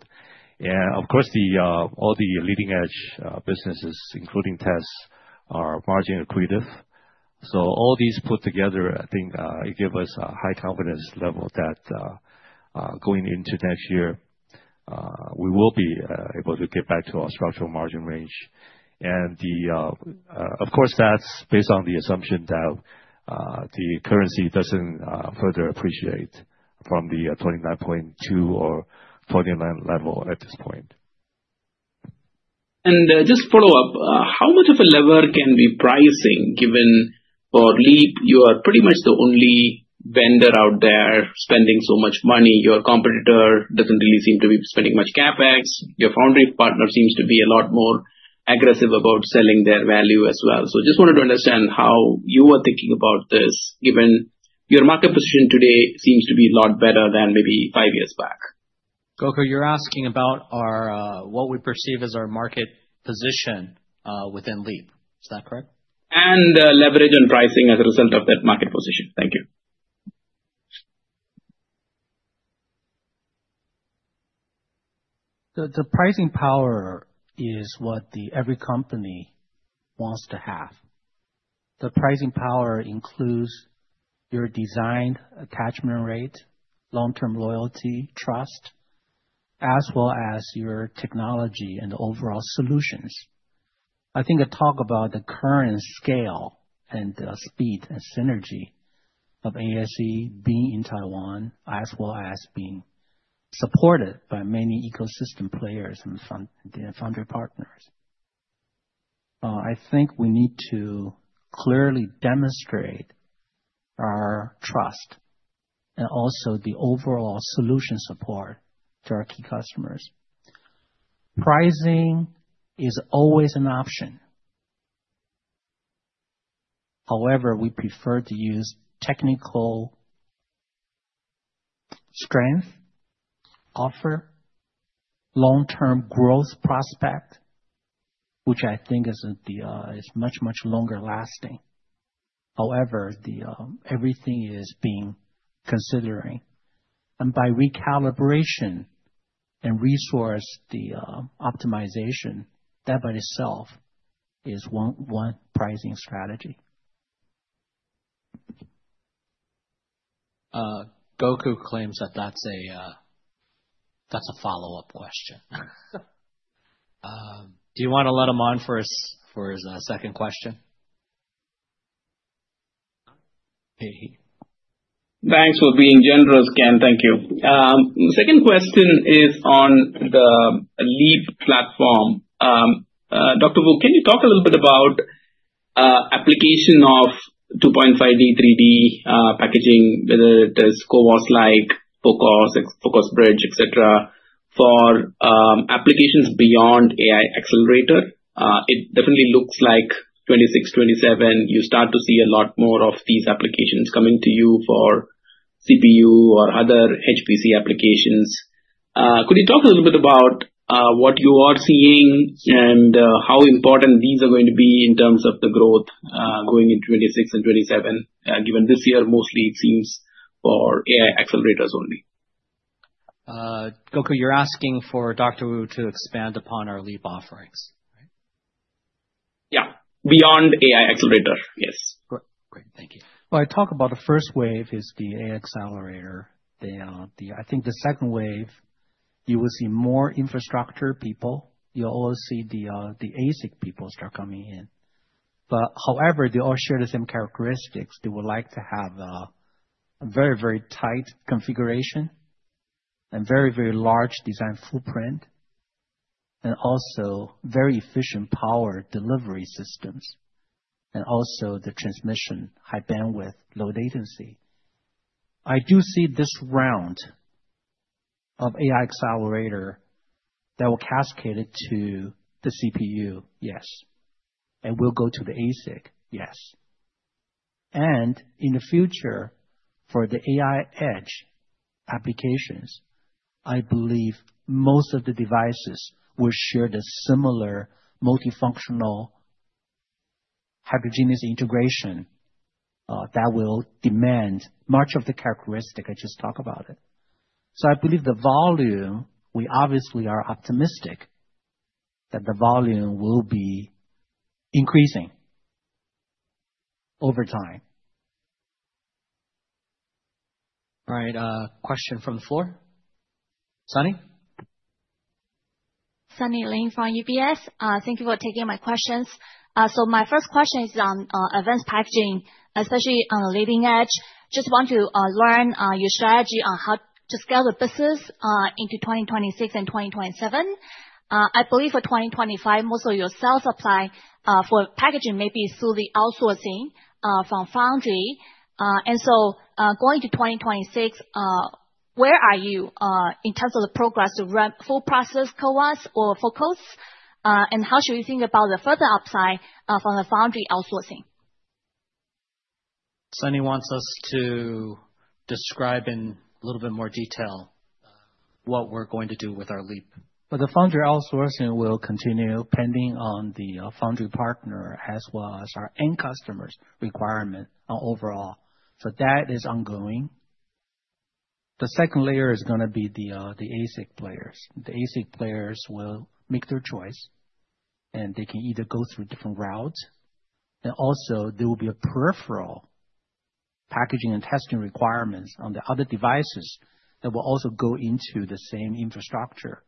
Of course, all the leading edge businesses, including tests, are margin-accretive. All these put together, I think, give us a high confidence level that going into next year, we will be able to get back to our structural margin range. Of course, that's based on the assumption that the currency doesn't further appreciate from the 29.2 or 29 level at this point. Just follow-up, how much of a lever can we be pricing given for LEAP? You are pretty much the only vendor out there spending so much money. Your competitor doesn't really seem to be spending much CapEx. Your foundry partner seems to be a lot more aggressive about selling their value as well. Just wanted to understand how you were thinking about this, given your market position today seems to be a lot better than maybe five years back. Gokul, you're asking about what we perceive as our market position within LEAP. Is that correct? And leverage and pricing as a result of that market position. Thank you. The pricing power is what every company wants to have. The pricing power includes your design attachment rate, long-term loyalty, trust, as well as your technology and overall solutions. I think I talk about the current scale and the speed and synergy of ASE being in Taiwan as well as being supported by many ecosystem players and foundry partners. I think we need to clearly demonstrate our trust and also the overall solution support to our key customers. Pricing is always an option. However, we prefer to use technical strength, offer long-term growth prospect, which I think is much, much longer lasting. However, everything is being considered, and by recalibration and resource optimization, that by itself is one pricing strategy. Gokul claims that that's a follow-up question. Do you want to let him on for his second question? Thanks for being generous, Ken. Thank you. Second question is on the LEAP platform. Dr. Wu, can you talk a little bit about application of 2.5D, 3D packaging, whether it is CoWoS-like, FOCoS, FOCoS-Bridge, etc., for applications beyond AI accelerator? It definitely looks like 2026, 2027, you start to see a lot more of these applications coming to you for CPU or other HPC applications. Could you talk a little bit about what you are seeing and how important these are going to be in terms of the growth going into 2026 and 2027, given this year mostly seems for AI accelerators only? Gokul, you're asking for Dr. Wu to expand upon our LEAP offerings, right? Yeah. Beyond AI accelerator, Yes. Great. Thank you. The first wave is the AI accelerator. I think the second wave, you will see more infrastructure people. You'll also see the ASIC people start coming in. However, they all share the same characteristics. They would like to have a very, very tight configuration and very, very large design footprint and also very efficient power delivery systems and also the transmission, high bandwidth, low latency. I do see this round of AI accelerator that will cascade to the CPU, yes, and will go to the ASIC, yes. In the future, for the AI edge applications, I believe most of the devices will share the similar multifunctional Heterogeneous Integration that will demand much of the characteristic I just talked about. I believe the volume, we obviously are optimistic that the volume will be increasing over time. All right. Question from the floor? Sunny? Sunny Lin from UBS. Thank you for taking my questions. My first question is on advanced packaging, especially on the leading edge. Just want to learn your strategy on how to scale the business into 2026 and 2027. I believe for 2025, most of your sales supply for packaging may be through the outsourcing from foundry. Going to 2026, where are you in terms of the progress to run full process CoWoS or FOCoS? How should we think about the further upside from the foundry outsourcing? Sunny wants us to describe in a little bit more detail what we're going to do with our LEAP. The foundry outsourcing will continue pending on the foundry partner as well as our end customers' requirement overall. That is ongoing. The second layer is going to be the ASIC players. The ASIC players will make their choice, and they can either go through different routes. There will be a peripheral packaging and testing requirements on the other devices that will also go into the same infrastructure.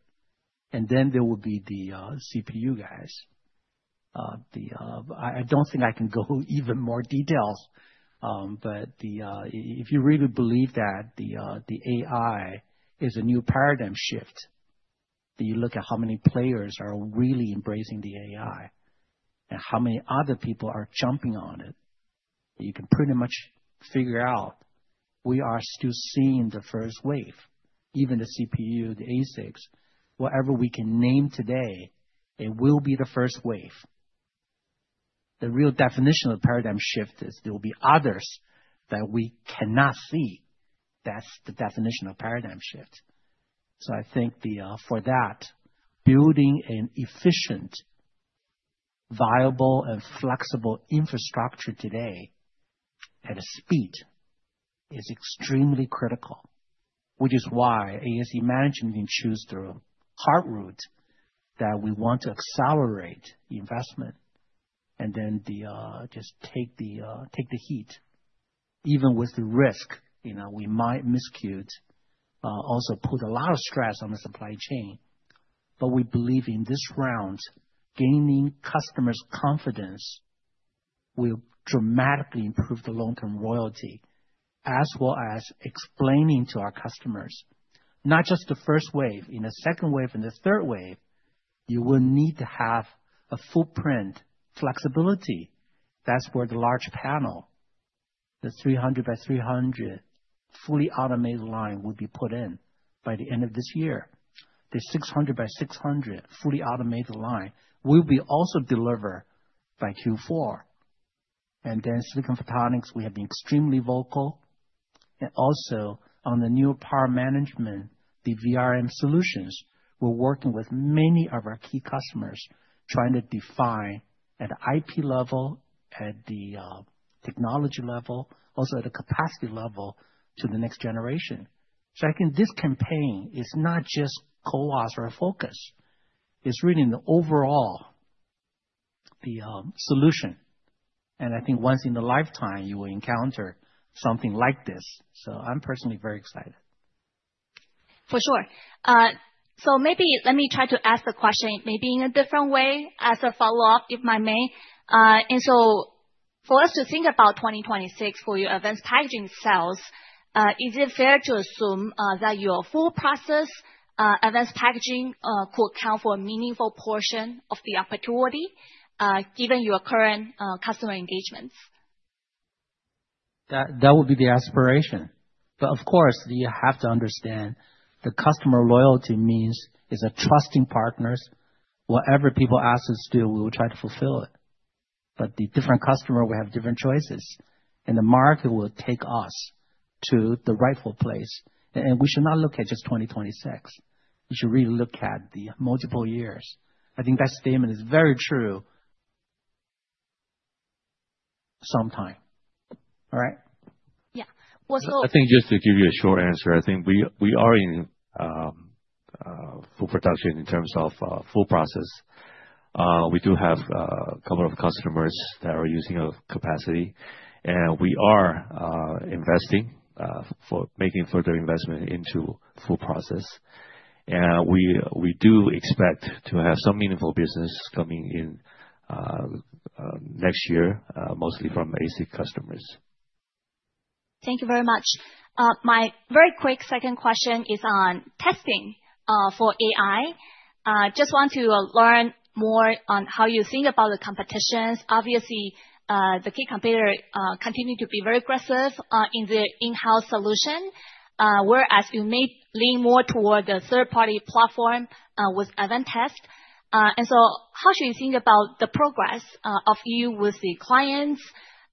There will be the CPU guys. I don't think I can go even more details. If you really believe that the AI is a new paradigm shift, that you look at how many players are really embracing the AI and how many other people are jumping on it, you can pretty much figure out. We are still seeing the first wave. Even the CPU, the ASICs, whatever we can name today, it will be the first wave. The real definition of paradigm shift is there will be others that we cannot see. That's the definition of paradigm shift. I think for that, building an efficient, viable, and flexible infrastructure today at a speed is extremely critical. Which is why ASE management can choose the hard route that we want to accelerate investment and then just take the heat. Even with the risk, we might miscut. Also put a lot of stress on the supply chain. We believe in this round, gaining customers' confidence will dramatically improve the long-term royalty, as well as explaining to our customers, not just the first wave. In the second wave and the third wave, you will need to have a footprint flexibility. That's where the large panel, the 300 by 300 fully automated line, will be put in by the end of this year. The 600 by 600 fully automated line will be also delivered by Q4. Silicon photonics, we have been extremely vocal. Also on the new power management, the VRM solutions, we're working with many of our key customers trying to define at the IT level, at the technology level, also at the capacity level to the next generation. I think this campaign is not just CoWOS or FOCoS. It's really in the overall solution. I think once in a lifetime, you will encounter something like this. I'm personally very excited, For sure. Let me try to ask the question in a different way as a follow-up, if I may. For us to think about 2026 for your advanced packaging sales, is it fair to assume that your full process advanced packaging could account for a meaningful portion of the opportunity given your current customer engagements? That would be the aspiration. Of course, you have to understand the customer loyalty means is a trusting partners. Whatever people ask us to do, we will try to fulfill it. The different customer, we have different choices. The market will take us to the rightful place. We should not look at just 2026. We should really look at the multiple years. I think that statement is very true sometime. All right? I think just to give you a short answer, we are in full production in terms of full process. We do have a couple of customers that are using our capacity. We are investing, making further investment into full process. We do expect to have some meaningful business coming in next year, mostly from ASIC customers. Thank you very much. My very quick second question is on testing for AI. I just want to learn more on how you think about the competitions. Obviously, the key competitor continues to be very aggressive in their in-house solution, whereas you may lean more toward the third-party platform with event test. How should you think about the progress of you with the clients?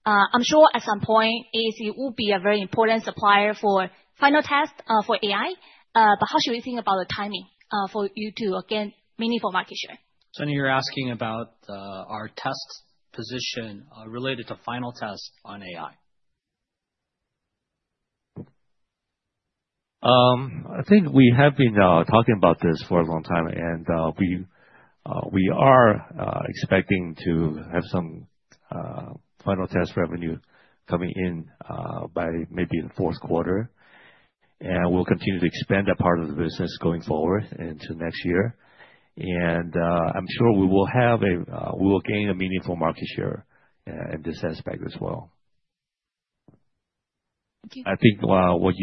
I'm sure at some point, ASE will be a very important supplier for final test for AI. How should we think about the timing for you to gain meaningful market share? Sunny, you're asking about our test position related to final test on AI. I think we have been talking about this for a long time. We are expecting to have some final test revenue coming in by maybe the fourth quarter. We'll continue to expand that part of the business going forward into next year. I'm sure we will gain a meaningful market share in this aspect as well. I think what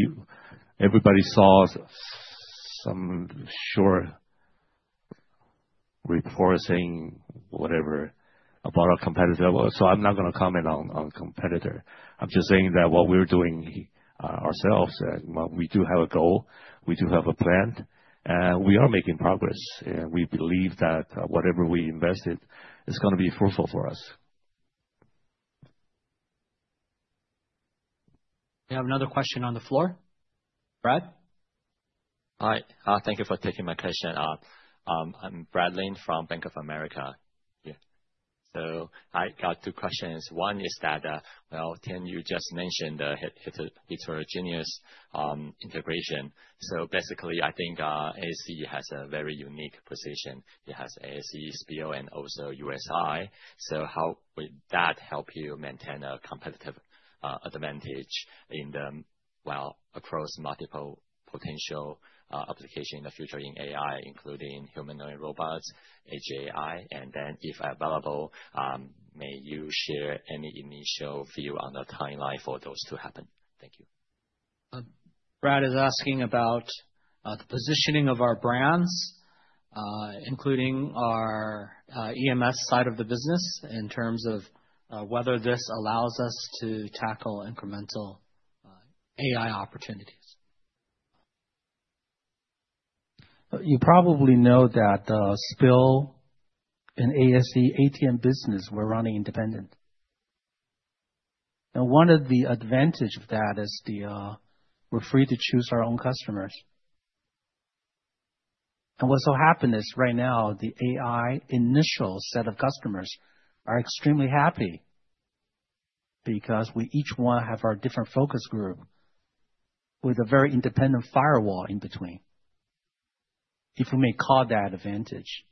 everybody saw is some short report or saying whatever about our competitor. I'm not going to comment on competitor. I'm just saying that what we're doing ourselves, we do have a goal. We do have a plan. We are making progress. We believe that whatever we invested is going to be fruitful for us. We have another question on the floor. Brad? Hi. Thank you for taking my question. I'm Brad Lin from Bank of America. I got two questions. One is that, Tien, you just mentioned the Heterogeneous Integration. I think ASE has a very unique position. It has ASE, SPIL, and also USI. How would that help you maintain a competitive advantage across multiple potential applications in the future in AI, including humanoid robots, HAI? If available, may you share any initial feel on the timeline for those to happen? Thank you. Brad is asking about the positioning of our brands, including our EMS side of the business, in terms of whether this allows us to tackle incremental AI opportunities. You probably know that SPIL and ASE ATM business are running independent. One of the advantages of that is we're free to choose our own customers. What's so happened is right now, the AI initial set of customers are extremely happy because we each have our different focus group with a very independent firewall in between, if we may call that advantage.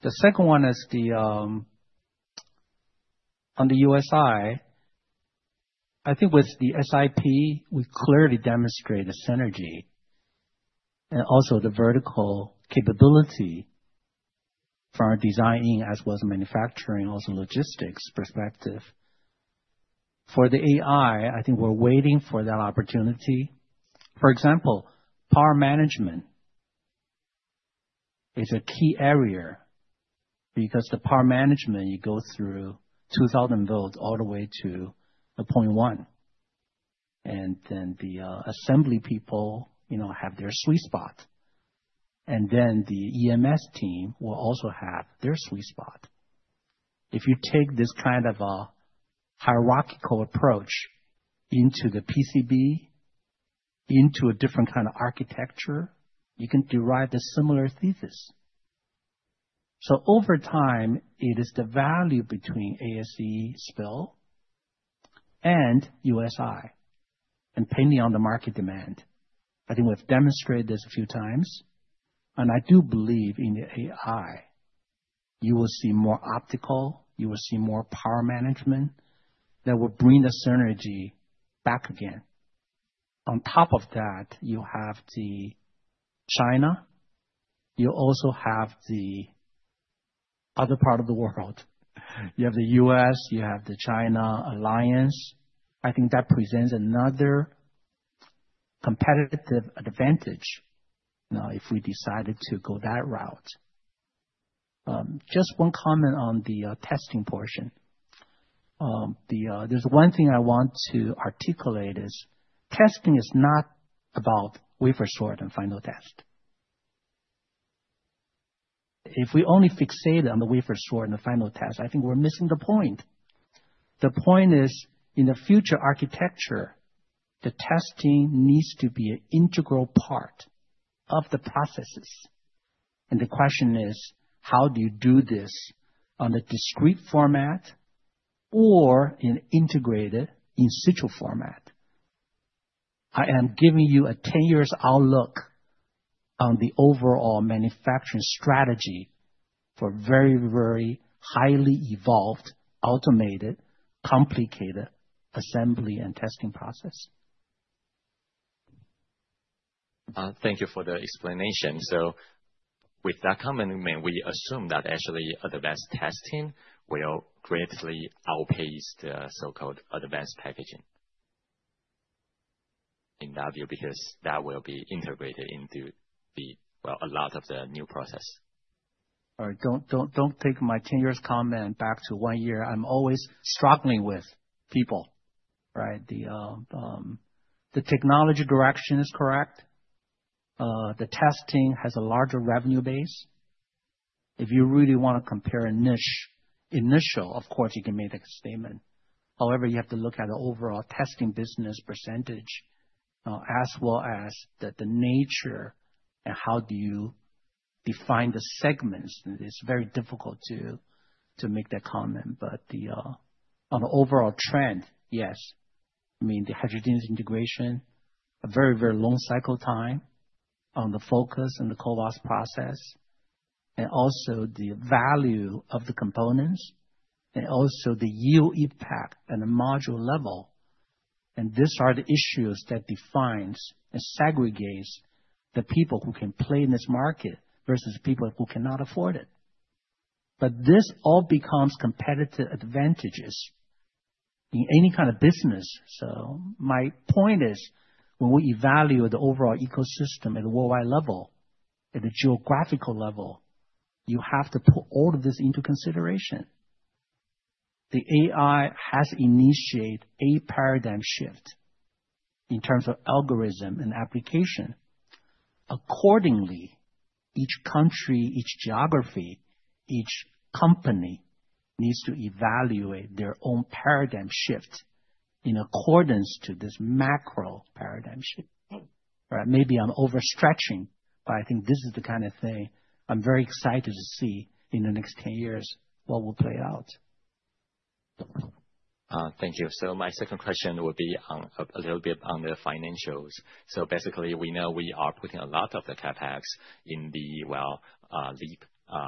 The second one is on the USI. I think with the SIP, we clearly demonstrate the synergy and also the vertical capability from our design as well as manufacturing, also logistics perspective. For the AI, I think we're waiting for that opportunity. For example, power management is a key area because the power management, you go through 2000 volts all the way to 0.1. The assembly people have their sweet spot, and the EMS team will also have their sweet spot. If you take this kind of hierarchical approach into the PCB, into a different kind of architecture, you can derive the similar thesis. Over time, it is the value between ASE, SPIL, and USI, and pending on the market demand. I think we've demonstrated this a few times. I do believe in the AI, you will see more optical, you will see more power management. That will bring the synergy back again. On top of that, you have China. You also have the other part of the world. You have the U.S., you have the China alliance. I think that presents another competitive advantage if we decided to go that route. Just one comment on the testing portion. There's one thing I want to articulate is testing is not about wafer sort and final test. If we only fixate on the wafer sort and the final test, I think we're missing the point. The point is, in the future architecture, the testing needs to be an integral part of the processes. The question is, how do you do this on a discrete format or in an integrated in-situ format? I am giving you a 10-years outlook on the overall manufacturing strategy for very, very highly evolved, automated, complicated assembly and testing process. Thank you for the explanation. With that comment, we may assume that actually advanced testing will greatly outpace the so-called advanced packaging. In that view, because that will be integrated into a lot of the new process. All right. Don't take my 10-years comment back to one year. I'm always struggling with people, right? The technology direction is correct. The testing has a larger revenue base. If you really want to compare a niche, initial, of course, you can make a statement. However, you have to look at the overall testing business percentage as well as the nature and how do you define the segments. It's very difficult to make that comment. On the overall trend, yes. I mean, the Heterogeneous Integration, a very, very long cycle time on the focus and the CoWoS process, and also the value of the components, and also the yield impact at a module level. These are the issues that define and segregate the people who can play in this market versus people who cannot afford it. This all becomes competitive advantages in any kind of business. My point is, when we evaluate the overall ecosystem at a worldwide level, at a geographical level, you have to put all of this into consideration. The AI has initiated a paradigm shift in terms of algorithm and application. Accordingly, each country, each geography, each company needs to evaluate their own paradigm shift in accordance to this macro paradigm shift. All right. Maybe I'm overstretching, but I think this is the kind of thing I'm very excited to see in the next 10 years what will play out. Thank you. My second question would be a little bit on the financials. Basically, we know we are putting a lot of the CapEx in the LEAP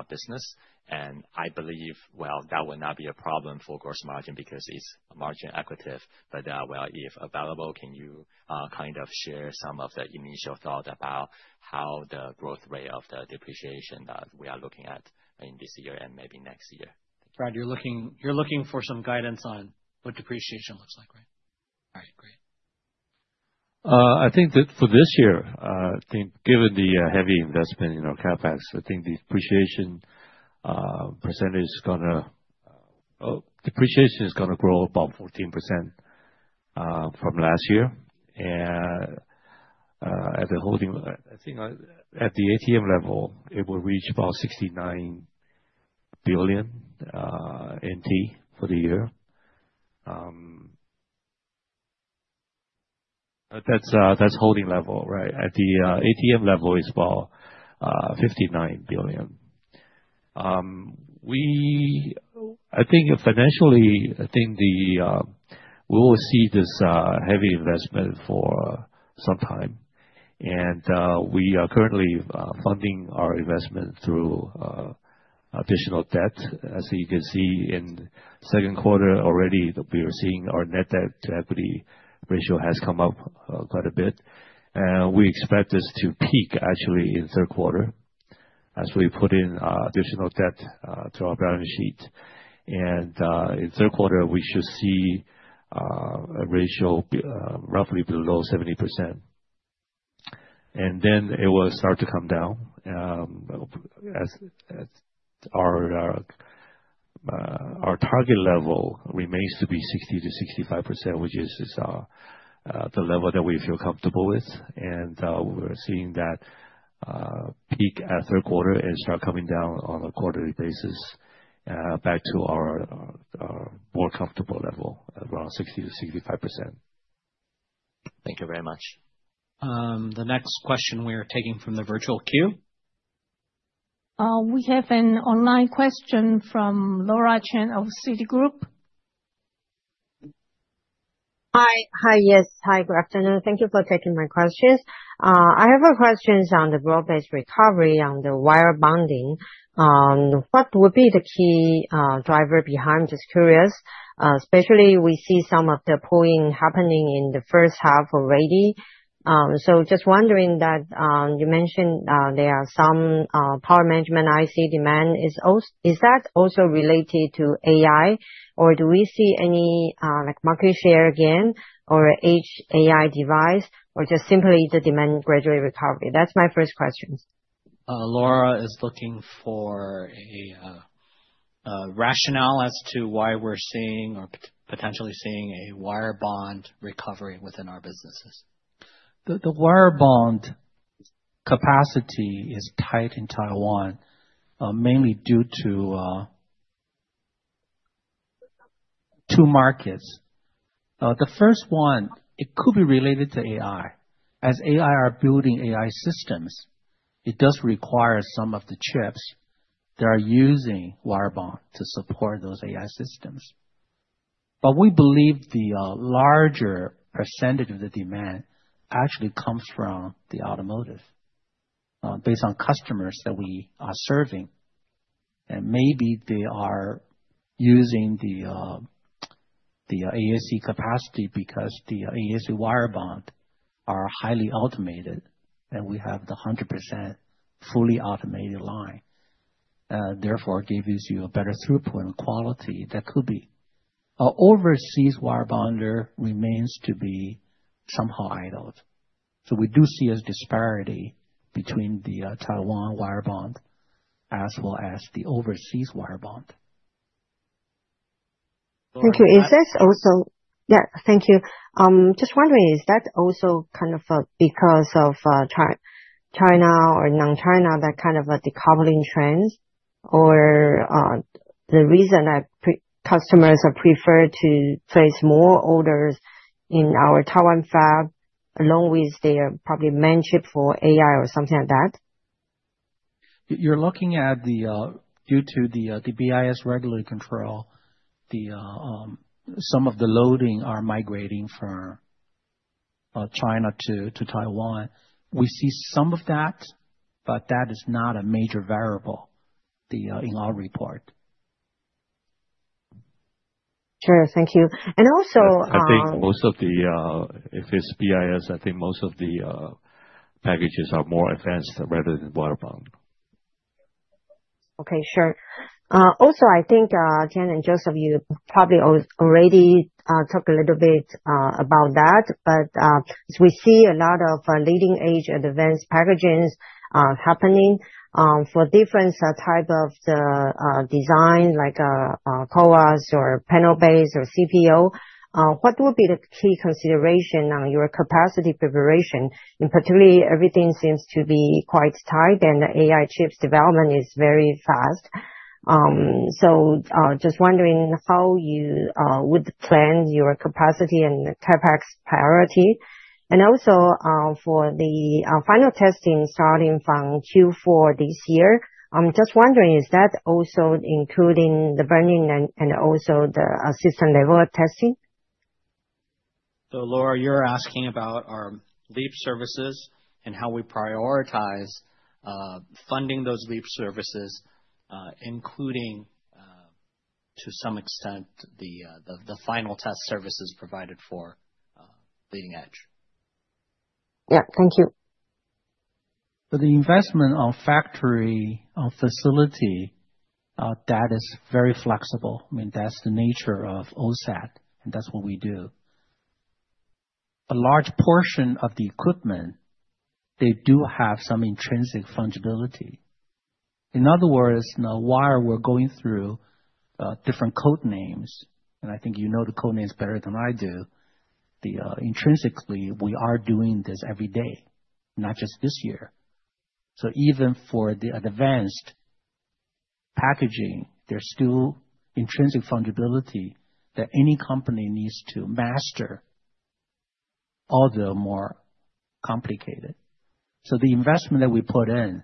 business. I believe that would not be a problem for gross margin because it's margin-accretive. If available, can you kind of share some of the initial thought about how the growth rate of the depreciation that we are looking at in this year and maybe next year? Thank you. Brad, you're looking for some guidance on what depreciation looks like, right? All right. Great. I think that for this year, given the heavy investment in our CapEx, the depreciation percentage is going to grow about 14% from last year. At the holding, at the ATM level, it will reach about 69 billion NT for the year. That's holding level, right? At the ATM level, it's about 59 billion. I think financially, we will see this heavy investment for some time. We are currently funding our investment through additional debt. As you can see in the second quarter already, we are seeing our net debt-to-equity ratio has come up quite a bit. We expect this to peak actually in the third quarter as we put in additional debt to our balance sheet. In the third quarter, we should see a ratio roughly below 70%, and then it will start to come down. Our target level remains to be 60% to 65%, which is the level that we feel comfortable with. We're seeing that peak at the third quarter and start coming down on a quarterly basis back to our more comfortable level, around 60% to 65%. Thank you very much. The next question we are taking from the virtual queue. We have an online question from Laura Chen of Citigroup. Hi. Yes. Hi. Good afternoon. Thank you for taking my questions. I have a question on the broad-based recovery on the wire bonding. What would be the key driver behind? Just curious, especially we see some of the pooling happening in the first half already. Just wondering that you mentioned there are some power management IC demand. Is that also related to AI, or do we see any market share again or AI device, or just simply the demand gradually recovery? That's my first question. Laura is looking for a rationale as to why we're seeing or potentially seeing a wire bond recovery within our businesses. The wire bond capacity is tight in Taiwan, mainly due to two markets. The first one, it could be related to AI. As AI are building AI systems, it does require some of the chips that are using wire bond to support those AI systems. We believe the larger percentage of the demand actually comes from the automotive. Based on customers that we are serving, maybe they are using the ASE capacity because the ASE wire bond are highly automated, and we have the 100% fully automated line. Therefore, it gives you a better throughput and quality that could be. Overseas wire bonder remains to be somehow idled. We do see a disparity between the Taiwan wire bond. As well as the overseas wire bond. Thank you. Is that also, yeah, thank you. Just wondering, is that also kind of because of China or non-China, that kind of a decoupling trend, or the reason that customers prefer to place more orders in our Taiwan fab along with their probably mentorship for AI or something like that? You're looking at the, due to the BIS regulatory control, some of the loading are migrating from China to Taiwan. We see some of that, but that is not a major variable in our report. Sure. Thank you. Also, I think most of the, if it's BIS, I think most of the packages are more advanced rather than wire bond. Okay. Sure. Also, I think, Tien and Joseph, you probably already talked a little bit about that, but we see a lot of leading-edge advanced packaging happening for different types of the design, like CoWoS or panel-based or CPO. What would be the key consideration on your capacity preparation, particularly everything seems to be quite tight, and the AI chips development is very fast? Just wondering how you would plan your capacity and the CapEx priority. Also, for the final testing starting from Q4 this year, I'm just wondering, is that also including the burn-in and also the system-level testing? Laura, you're asking about our LEAP services and how we prioritize funding those LEAP services, including, to some extent, the final test services provided for leading edge. Yeah. Thank you. For the investment of factory facility, that is very flexible. I mean, that's the nature of OSAT, and that's what we do. A large portion of the equipment, they do have some intrinsic fungibility. In other words, while we're going through different code names, and I think you know the code names better than I do, intrinsically, we are doing this every day, not just this year. Even for the advanced packaging, there's still intrinsic fungibility that any company needs to master, all the more complicated. The investment that we put in,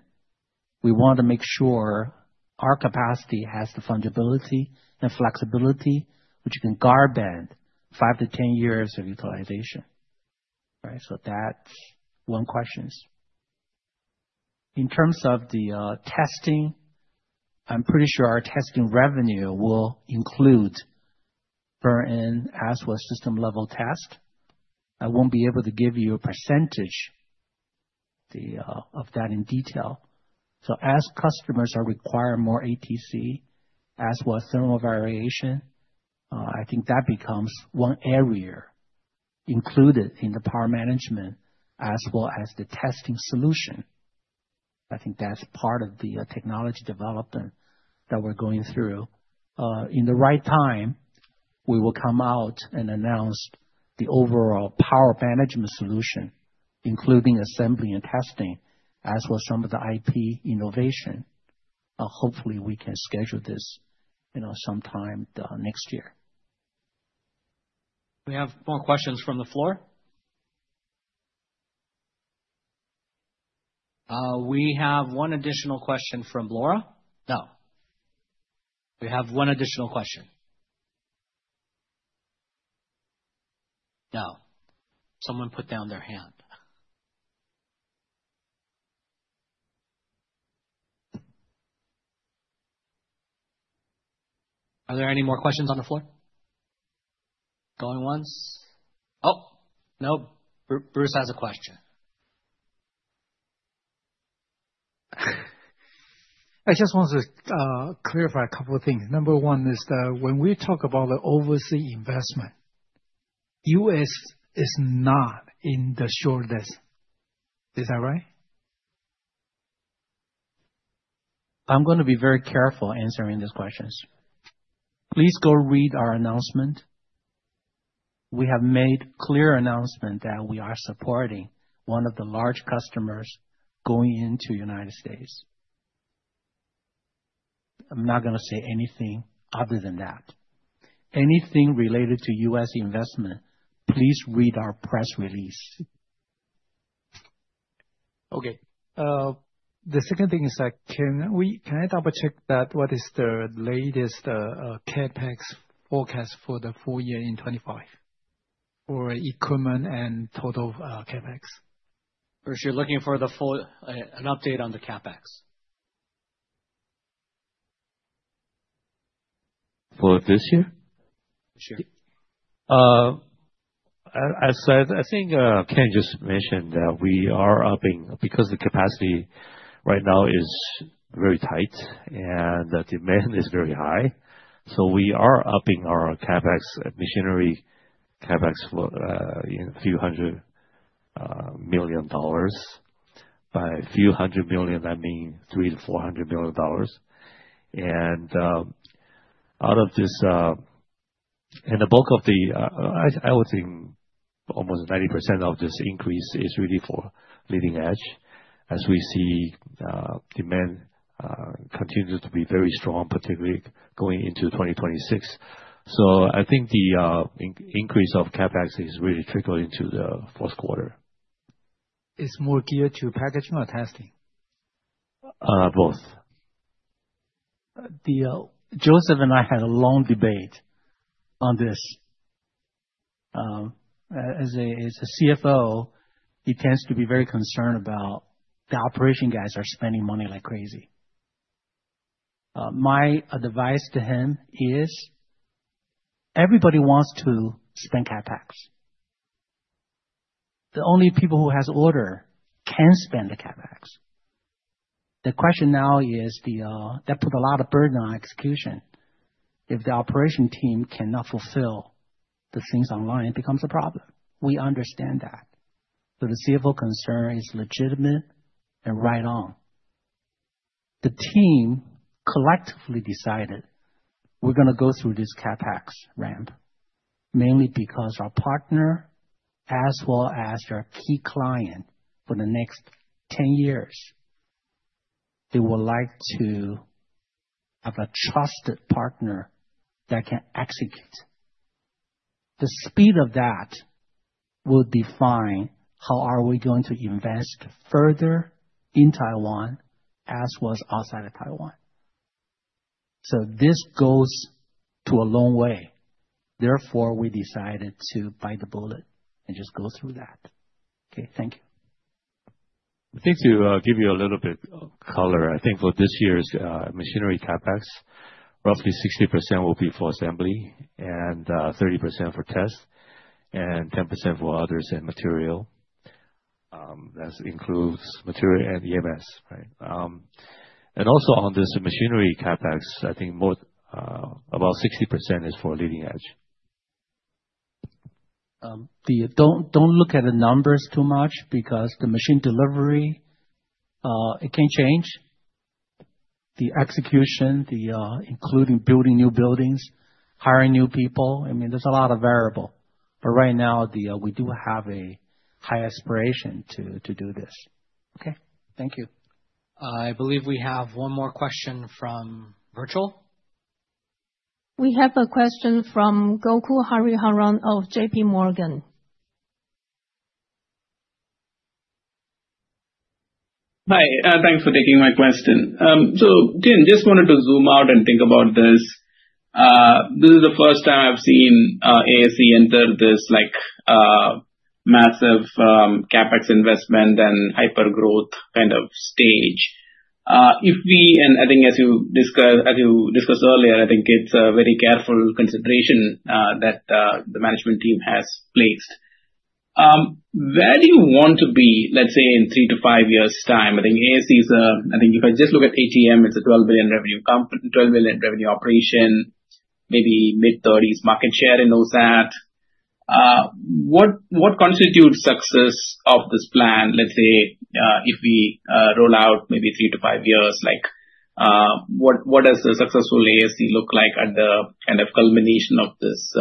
we want to make sure our capacity has the fungibility and flexibility, which you can guard band 5 to 10 years of utilization, right? That's one question. In terms of the testing, I'm pretty sure our testing revenue will include burn-in as well as system-level test. I won't be able to give you a percentage of that in detail. As customers are requiring more ATC as well as thermal variation, I think that becomes one area included in the power management as well as the testing solution. I think that's part of the technology development that we're going through. In the right time, we will come out and announce the overall power management solution, including assembly and testing, as well as some of the IT innovation. Hopefully, we can schedule this sometime next year. We have more questions from the floor. We have one additional question from Laura. No. We have one additional question. No. Someone put down their hand. Are there any more questions on the floor? Going once. Oh, no. Bruce has a question. I just want to clarify a couple of things. Number one is when we talk about the overseas investment. U.S. is not in the shortlist. Is that right? I'm going to be very careful answering these questions. Please go read our announcement. We have made a clear announcement that we are supporting one of the large customers going into the United States. I'm not going to say anything other than that. Anything related to U.S. investment, please read our press release. The second thing is, can I double-check what is the latest CapEx forecast for the full year in 2025? For equipment and total CapEx? Or is you're looking for an update on the CapEx For this year? This year. I think Ken just mentioned that we are upping because the capacity right now is very tight and the demand is very high. We are upping our CapEx, machinery CapEx, for a few hundred million dollars. By a few hundred million, that means 300 to 400 million dollars. Out of this, the bulk of the, I would think, almost 90% of this increase is really for leading edge as we see demand continue to be very strong, particularly going into 2026. I think the increase of CapEx is really trickled into the fourth quarter. Is more geared to packaging or testing? Both. Joseph and I had a long debate on this. As a CFO, he tends to be very concerned about the operation guys spending money like crazy. My advice to him is everybody wants to spend CapEx. The only people who have orders can spend the CapEx. The question now is that puts a lot of burden on execution. If the operation team cannot fulfill the things online, it becomes a problem. We understand that. The CFO concern is legitimate and right on. The team collectively decided we're going to go through this CapEx ramp mainly because our partner, as well as our key client for the next 10 years, they would like to have a trusted partner that can execute the speed of that. Will define how are we going to invest further in Taiwan as well as outside of Taiwan. This goes a long way. Therefore, we decided to bite the bullet and just go through that. Okay. Thank you. I think to give you a little bit of color, I think for this year's machinery CapEx, roughly 60% will be for assembly and 30% for test and 10% for others and material. That includes material and EMS, right? Also, on this machinery CapEx, I think about 60% is for leading edge. Don't look at the numbers too much because the machine delivery can change. The execution, including building new buildings, hiring new people, there's a lot of variable. Right now, we do have a high aspiration to do this. Okay. Thank you. I believe we have one more question from virtual. We have a question from Gokul Hariharan of JPMorgan Chase & Co. Hi. Thanks for taking my question. So Tien, just wanted to zoom out and think about this. This is the first time I've seen ASE. enter this massive CapEx investment and hypergrowth kind of stage. I think, as you discussed earlier, it's a very careful consideration that the management team has placed. Where do you want to be, let's say, in three to five years' time? I think ASE is a—I think if I just look at ATM, it's a 12 million revenue operation, maybe mid-30% market share in OSAT. What constitutes success of this plan, let's say, if we roll out maybe three to five years? What does a successful ASE look like at the kind of culmination of this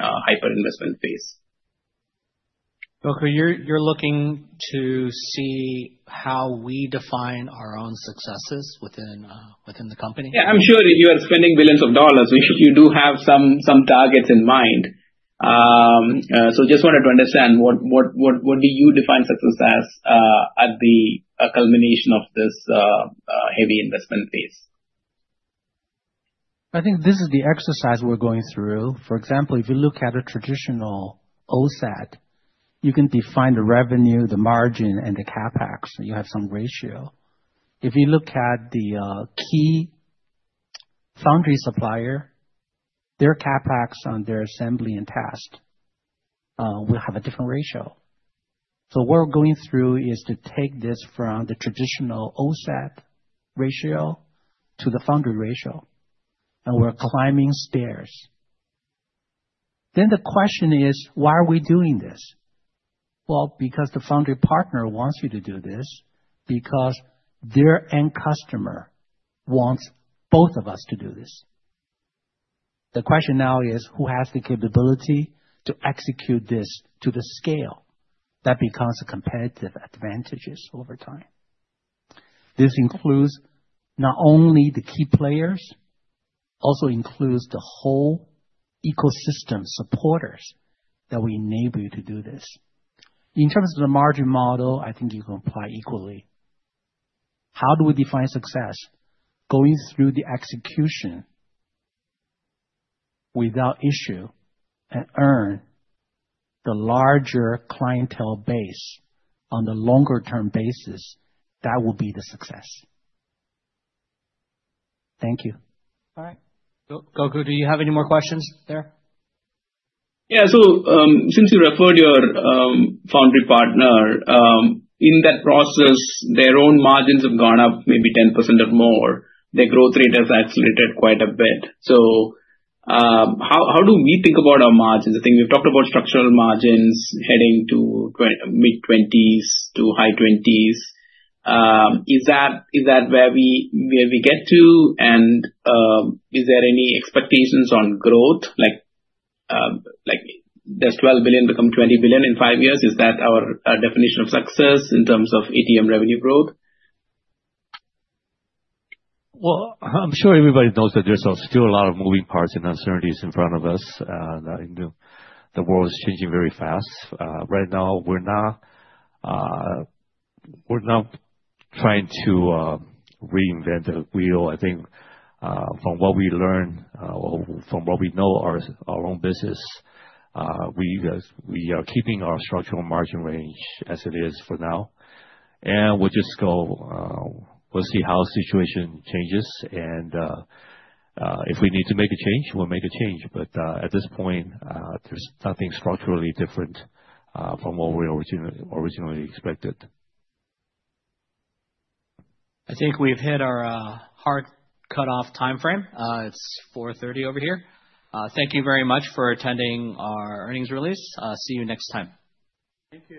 hyperinvestment phase? Gokul, you're looking to see how we define our own successes within the company? Yeah. I'm sure you are spending billions of dollars. You do have some targets in mind. I just wanted to understand. What do you define success as at the culmination of this heavy investment phase? I think this is the exercise we're going through. For example, if you look at a traditional OSAT, you can define the revenue, the margin, and the CapEx. You have some ratio. If you look at the key foundry supplier, their CapEx on their assembly and test will have a different ratio. What we're going through is to take this from the traditional OSAT ratio to the foundry ratio. We're climbing stairs. The question is, why are we doing this? Because the foundry partner wants you to do this because their end customer wants both of us to do this. The question now is, who has the capability to execute this to the scale that becomes a competitive advantage over time? This includes not only the key players. It also includes the whole ecosystem supporters that we enable you to do this. In terms of the margin model, I think you can apply equally. How do we define success? Going through the execution without issue and earn. The larger clientele base on the longer-term basis, that will be the success. Thank you. All right. Gokul, do you have any more questions there? Yeah. Since you referred your foundry partner, in that process, their own margins have gone up maybe 10% or more. Their growth rate has accelerated quite a bit. How do we think about our margins? I think we've talked about structural margins heading to mid-20s to high 20s. Is that where we get to? Is there any expectations on growth? Does 12 billion become 20 billion in five years? Is that our definition of success in terms of ATM revenue growth? I'm sure everybody knows that there's still a lot of moving parts and uncertainties in front of us. The world is changing very fast. Right now, we're not trying to reinvent the wheel. I think from what we learn, from what we know, our own business, we are keeping our structural margin range as it is for now. We'll just go. We'll see how the situation changes. If we need to make a change, we'll make a change. At this point, there's nothing structurally different from what we originally expected. I think we've hit our hard cutoff timeframe. It's 4:30 over here. Thank you very much for attending our earnings release. See you next time. Thank you.